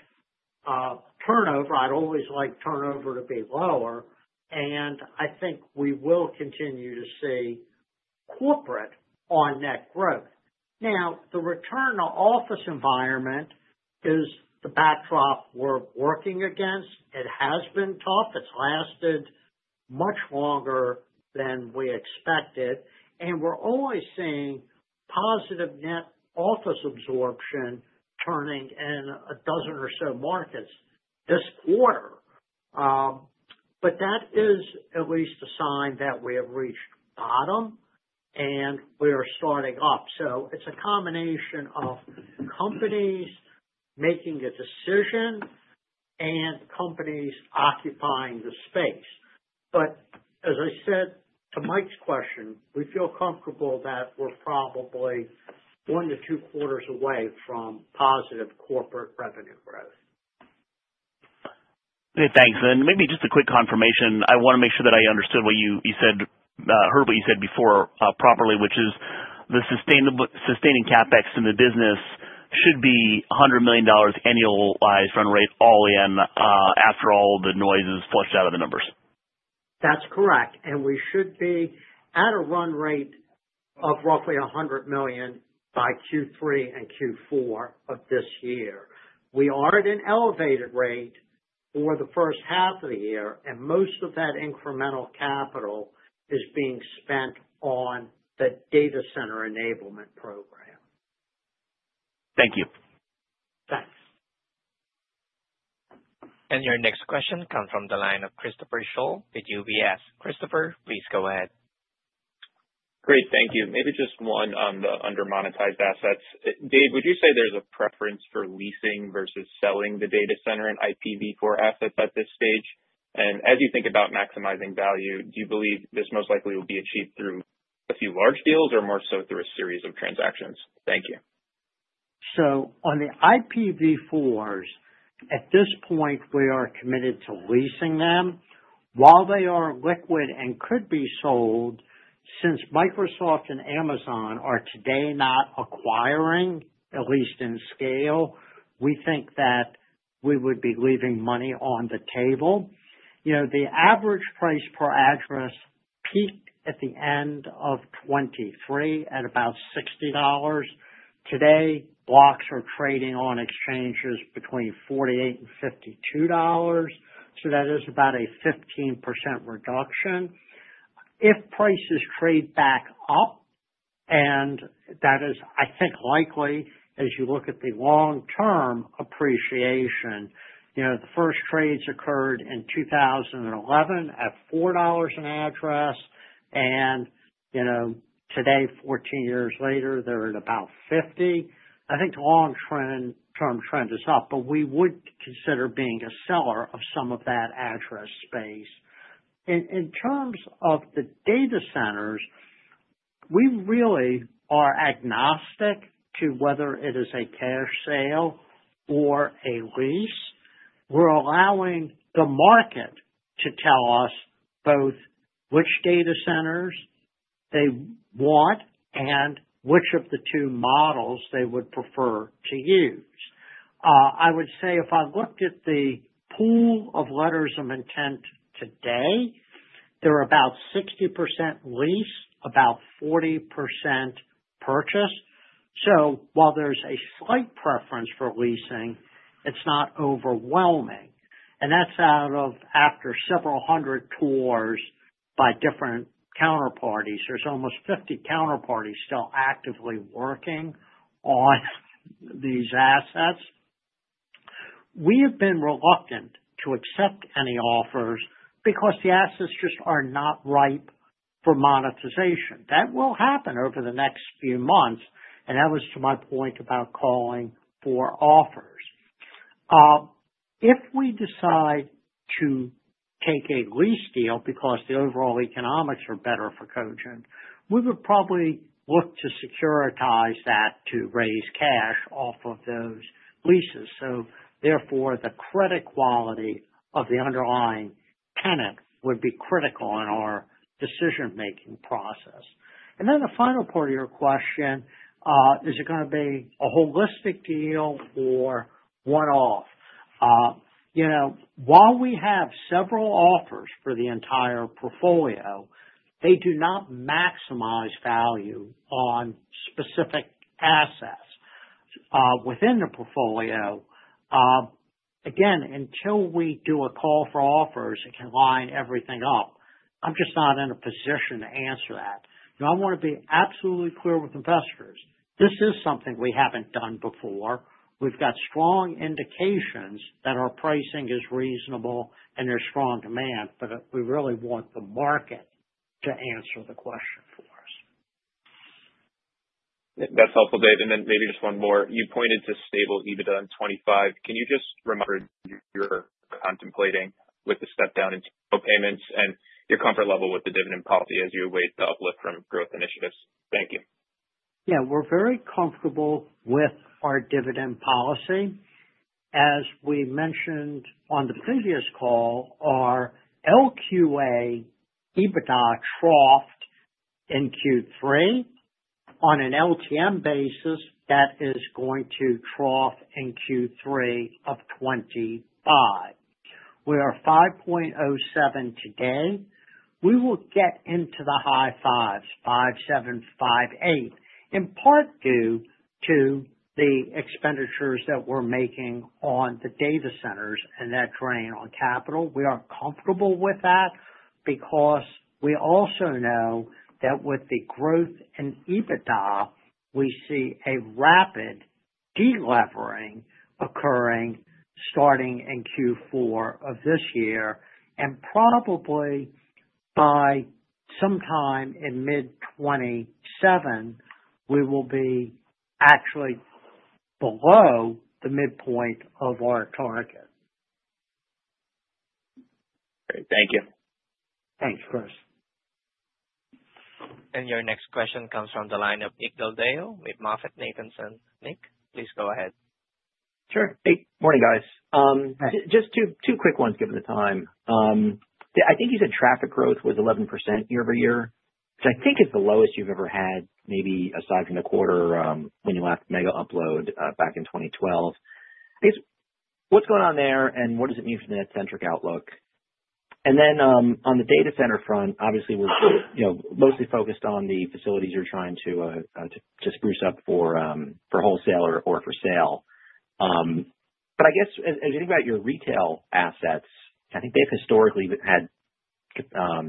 turnover. I'd always like turnover to be lower. And I think we will continue to see corporate on-net growth. Now, the return to office environment is the backdrop we're working against. It has been tough. It's lasted much longer than we expected. And we're always seeing positive net office absorption turning in a dozen or so markets this quarter. But that is at least a sign that we have reached bottom and we are starting up. So it's a combination of companies making a decision and companies occupying the space. But as I said to Mike's question, we feel comfortable that we're probably one to two quarters away from positive corporate revenue growth. Thanks, and maybe just a quick confirmation. I want to make sure that I understood what you said, heard what you said before properly, which is the sustaining CapEx in the business should be $100 million annualized run rate all in after all the noise is flushed out of the numbers. That's correct, and we should be at a run rate of roughly $100 million by Q3 and Q4 of this year. We are at an elevated rate for the first half of the year, and most of that incremental capital is being spent on the data center enablement program. Thank you. Thanks, and your next question comes from the line of Christopher Schoell with UBS. Christopher, please go ahead. Great. Thank you. Maybe just one on the undermonetized assets. Dave, would you say there's a preference for leasing versus selling the data center and IPv4 assets at this stage? And as you think about maximizing value, do you believe this most likely will be achieved through a few large deals or more so through a series of transactions? Thank you, so on the IPv4s, at this point, we are committed to leasing them. While they are liquid and could be sold, since Microsoft and Amazon are today not acquiring, at least in scale, we think that we would be leaving money on the table. The average price per address peaked at the end of 2023 at about $60. Today, blocks are trading on exchanges between $48 and $52, so that is about a 15% reduction. If prices trade back up, and that is, I think, likely as you look at the long-term appreciation. The first trades occurred in 2011 at $4 an address, and today, 14 years later, they're at about $50. I think the long-term trend is up, but we would consider being a seller of some of that address space. In terms of the data centers, we really are agnostic to whether it is a cash sale or a lease. We're allowing the market to tell us both which data centers they want and which of the two models they would prefer to use. I would say if I looked at the pool of letters of intent today, they're about 60% lease, about 40% purchase. While there's a slight preference for leasing, it's not overwhelming. That's after several hundred tours by different counterparties. There's almost 50 counterparties still actively working on these assets. We have been reluctant to accept any offers because the assets just are not ripe for monetization. That will happen over the next few months. That was to my point about calling for offers. If we decide to take a lease deal because the overall economics are better for Cogent, we would probably look to securitize that to raise cash off of those leases. So therefore, the credit quality of the underlying tenant would be critical in our decision-making process. And then the final part of your question, is it going to be a holistic deal or one-off? While we have several offers for the entire portfolio, they do not maximize value on specific assets within the portfolio. Again, until we do a call for offers, it can line everything up. I'm just not in a position to answer that. I want to be absolutely clear with investors. This is something we haven't done before. We've got strong indications that our pricing is reasonable and there's strong demand, but we really want the market to answer the question for us. That's helpful, Dave. And then maybe just one more. You pointed to stable EBITDA in 2025. Can you just remind us of your comfort level with the step-down in T-Mobile payments and your comfort level with the dividend policy as you await the uplift from growth initiatives? Thank you. Yeah. We're very comfortable with our dividend policy. As we mentioned on the previous call, our LQA EBITDA troughed in Q3 on an LTM basis, that is going to trough in Q3 of 2025. We are 5.07 today. We will get into the high fives, 5.758, in part due to the expenditures that we're making on the data centers and that drain on capital. We are comfortable with that because we also know that with the growth in EBITDA, we see a rapid delevering occurring starting in Q4 of this year. And probably by sometime in mid-2027, we will be actually below the midpoint of our target. Great. Thank you. Thanks, Chris. Your next question comes from the line of Nick Del Deo, MoffettNathanson. Please go ahead. Sure. Hey. Morning, guys. Just two quick ones given the time. I think you said traffic growth was 11% year over year, which I think is the lowest you've ever had, maybe aside from the quarter when you left Megaupload back in 2012. I guess what's going on there and what does it mean for the NetCentric outlook? And then on the data center front, obviously, we're mostly focused on the facilities you're trying to spruce up for wholesale or for sale. But I guess as you think about your retail assets, I think they've historically had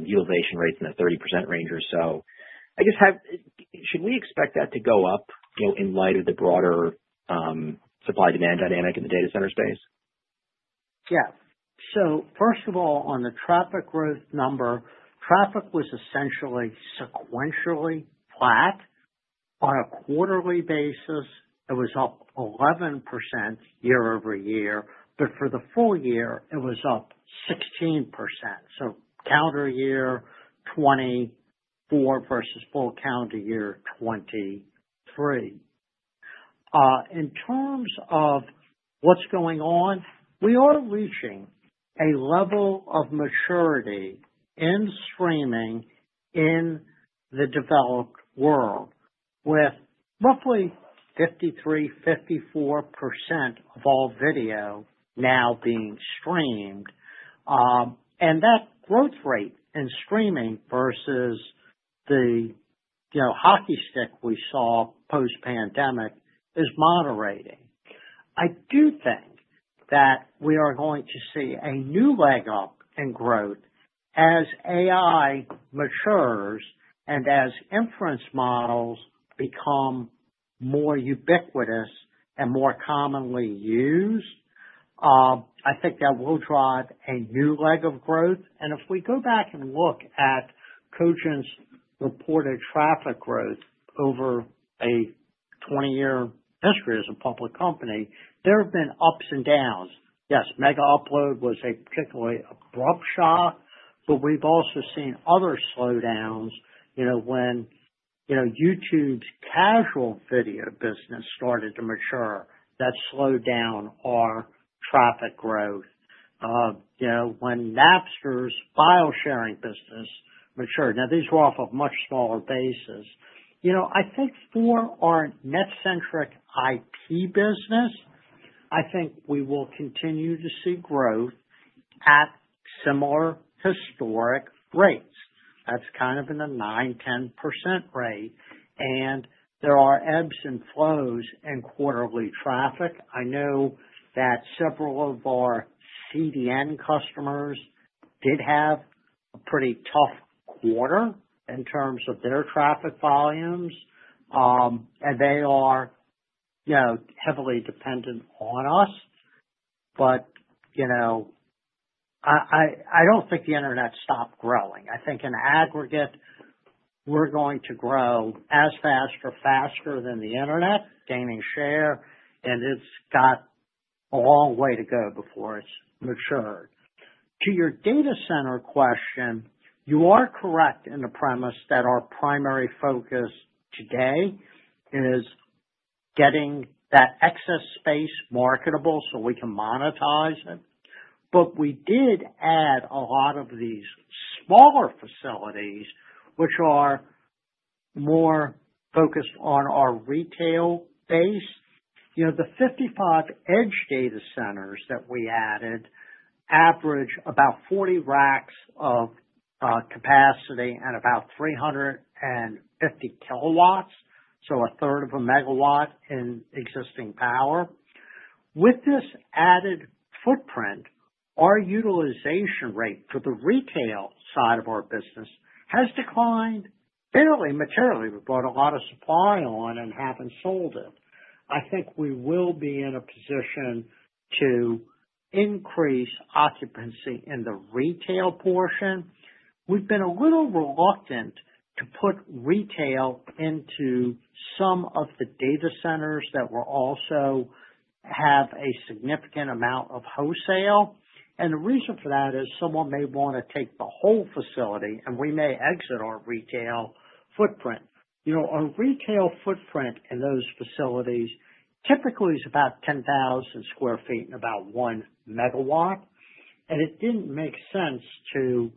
utilization rates in the 30% range or so. I guess should we expect that to go up in light of the broader supply-demand dynamic in the data center space? Yeah. So first of all, on the traffic growth number, traffic was essentially sequentially flat. On a quarterly basis, it was up 11% year over year. But for the full year, it was up 16%. So calendar year 2024 versus full calendar year 2023. In terms of what's going on, we are reaching a level of maturity in streaming in the developed world with roughly 53-54% of all video now being streamed. And that growth rate in streaming versus the hockey stick we saw post-pandemic is moderating. I do think that we are going to see a new leg up in growth as AI matures and as inference models become more ubiquitous and more commonly used. I think that will drive a new leg of growth. And if we go back and look at Cogent's reported traffic growth over a 20-year history as a public company, there have been ups and downs. Yes, Megaupload was a particularly abrupt shock, but we've also seen other slowdowns. When YouTube's casual video business started to mature, that slowed down our traffic growth. When Napster's file-sharing business matured, now these were off of much smaller bases. I think for our NetCentric IP business, I think we will continue to see growth at similar historic rates. That's kind of in the 9%-10% rate. And there are ebbs and flows in quarterly traffic. I know that several of our CDN customers did have a pretty tough quarter in terms of their traffic volumes. And they are heavily dependent on us. But I don't think the internet stopped growing. I think in aggregate, we're going to grow as fast or faster than the internet. Gaining share. And it's got a long way to go before it's matured. To your data center question, you are correct in the premise that our primary focus today is getting that excess space marketable so we can monetize it. But we did add a lot of these smaller facilities, which are more focused on our retail base. The 55 edge data centers that we added average about 40 racks of capacity and about 350 kilowatts, so a third of a megawatt in existing power. With this added footprint, our utilization rate for the retail side of our business has declined fairly materially. We've bought a lot of supply on and haven't sold it. I think we will be in a position to increase occupancy in the retail portion. We've been a little reluctant to put retail into some of the data centers that will also have a significant amount of wholesale. And the reason for that is someone may want to take the whole facility, and we may exit our retail footprint. Our retail footprint in those facilities typically is about 10,000 sq ft and about one megawatt. And it didn't make sense to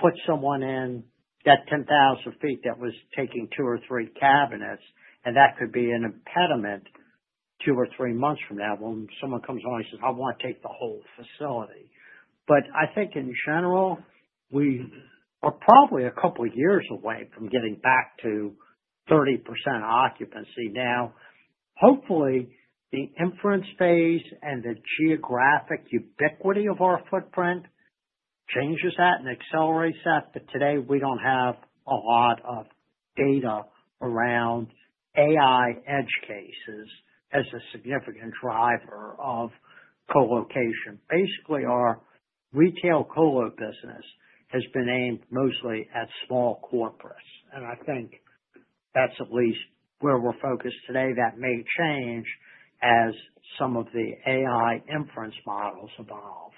put someone in that 10,000 sq ft that was taking two or three cabinets. And that could be an impediment two or three months from now when someone comes along and says, "I want to take the whole facility." But I think in general, we are probably a couple of years away from getting back to 30% occupancy now. Hopefully, the inference phase and the geographic ubiquity of our footprint changes that and accelerates that. But today, we don't have a lot of data around AI edge cases as a significant driver of colocation. Basically, our retail colo business has been aimed mostly at small corporates. And I think that's at least where we're focused today. That may change as some of the AI inference models evolve.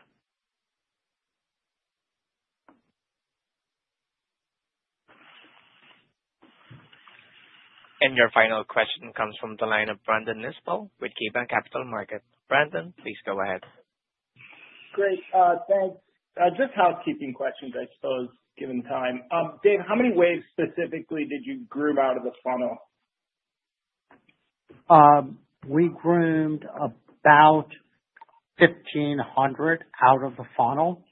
And your final question comes from the line of Brandon Nispel with KeyBanc Capital Markets. Brandon, please go ahead. Great. Thanks. Just housekeeping questions, I suppose, given time. Dave, how many waves specifically did you groom out of the funnel? We groomed about 1,500 out of the funnel.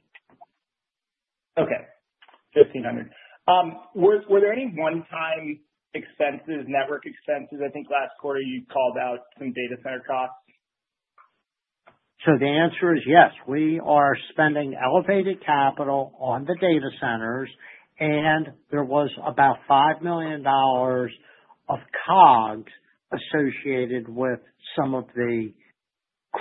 Okay. 1,500. Were there any one-time expenses, network expenses? I think last quarter you called out some data center costs. So the answer is yes. We are spending elevated capital on the data centers. There was about $5 million of COGS associated with some of the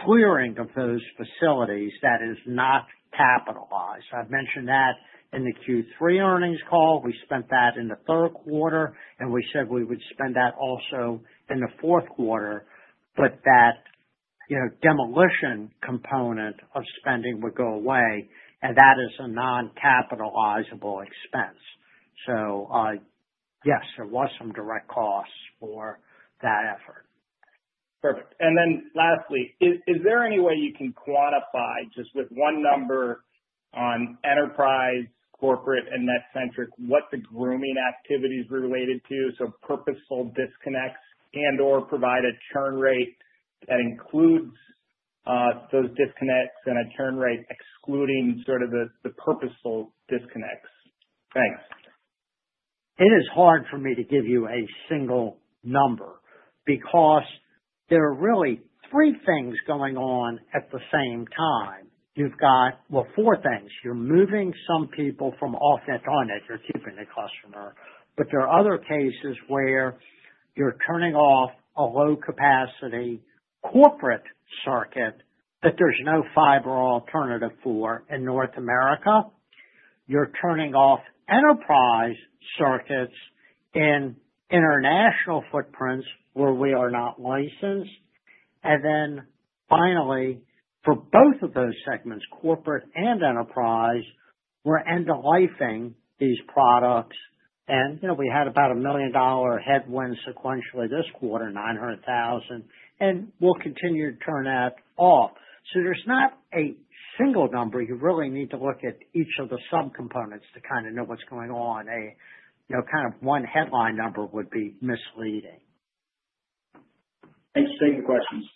clearing of those facilities that is not capitalized. I've mentioned that in the Q3 earnings call. We spent that in the third quarter. We said we would spend that also in the fourth quarter. That demolition component of spending would go away. That is a non-capitalizable expense. So yes, there were some direct costs for that effort. Perfect. Then lastly, is there any way you can quantify just with one number on enterprise, corporate, and NetCentric what the grooming activities related to? So purposeful disconnects and/or provide a churn rate that includes those disconnects and a churn rate ex cluding sort of the purposeful disconnects. Thanks. It is hard for me to give you a single number because there are really three things going on at the same time. You've got, well, four things. You're moving some people from off-net to on-net. You're keeping the customer. But there are other cases where you're turning off a low-capacity corporate circuit that there's no fiber alternative for in North America. You're turning off enterprise circuits in international footprints where we are not licensed. And then finally, for both of those segments, corporate and enterprise, we're end-lifing these products. And we had about a $1 million headwind sequentially this quarter, $900,000. And we'll continue to turn that off. So there's not a single number. You really need to look at each of the subcomponents to kind of know what's going on. Kind of one headline number would be misleading. Thanks for taking the questions.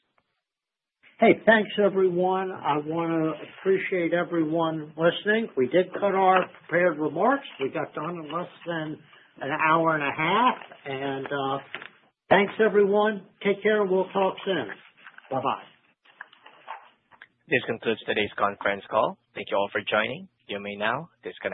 Hey, thanks, everyone. I want to appreciate everyone listening. We did cut our prepared remarks. We got done in less than an hour and a half. And thanks, everyone. Take care. We'll talk soon. Bye-bye. This concludes today's conference call. Thank you all for joining. You may now disconnect.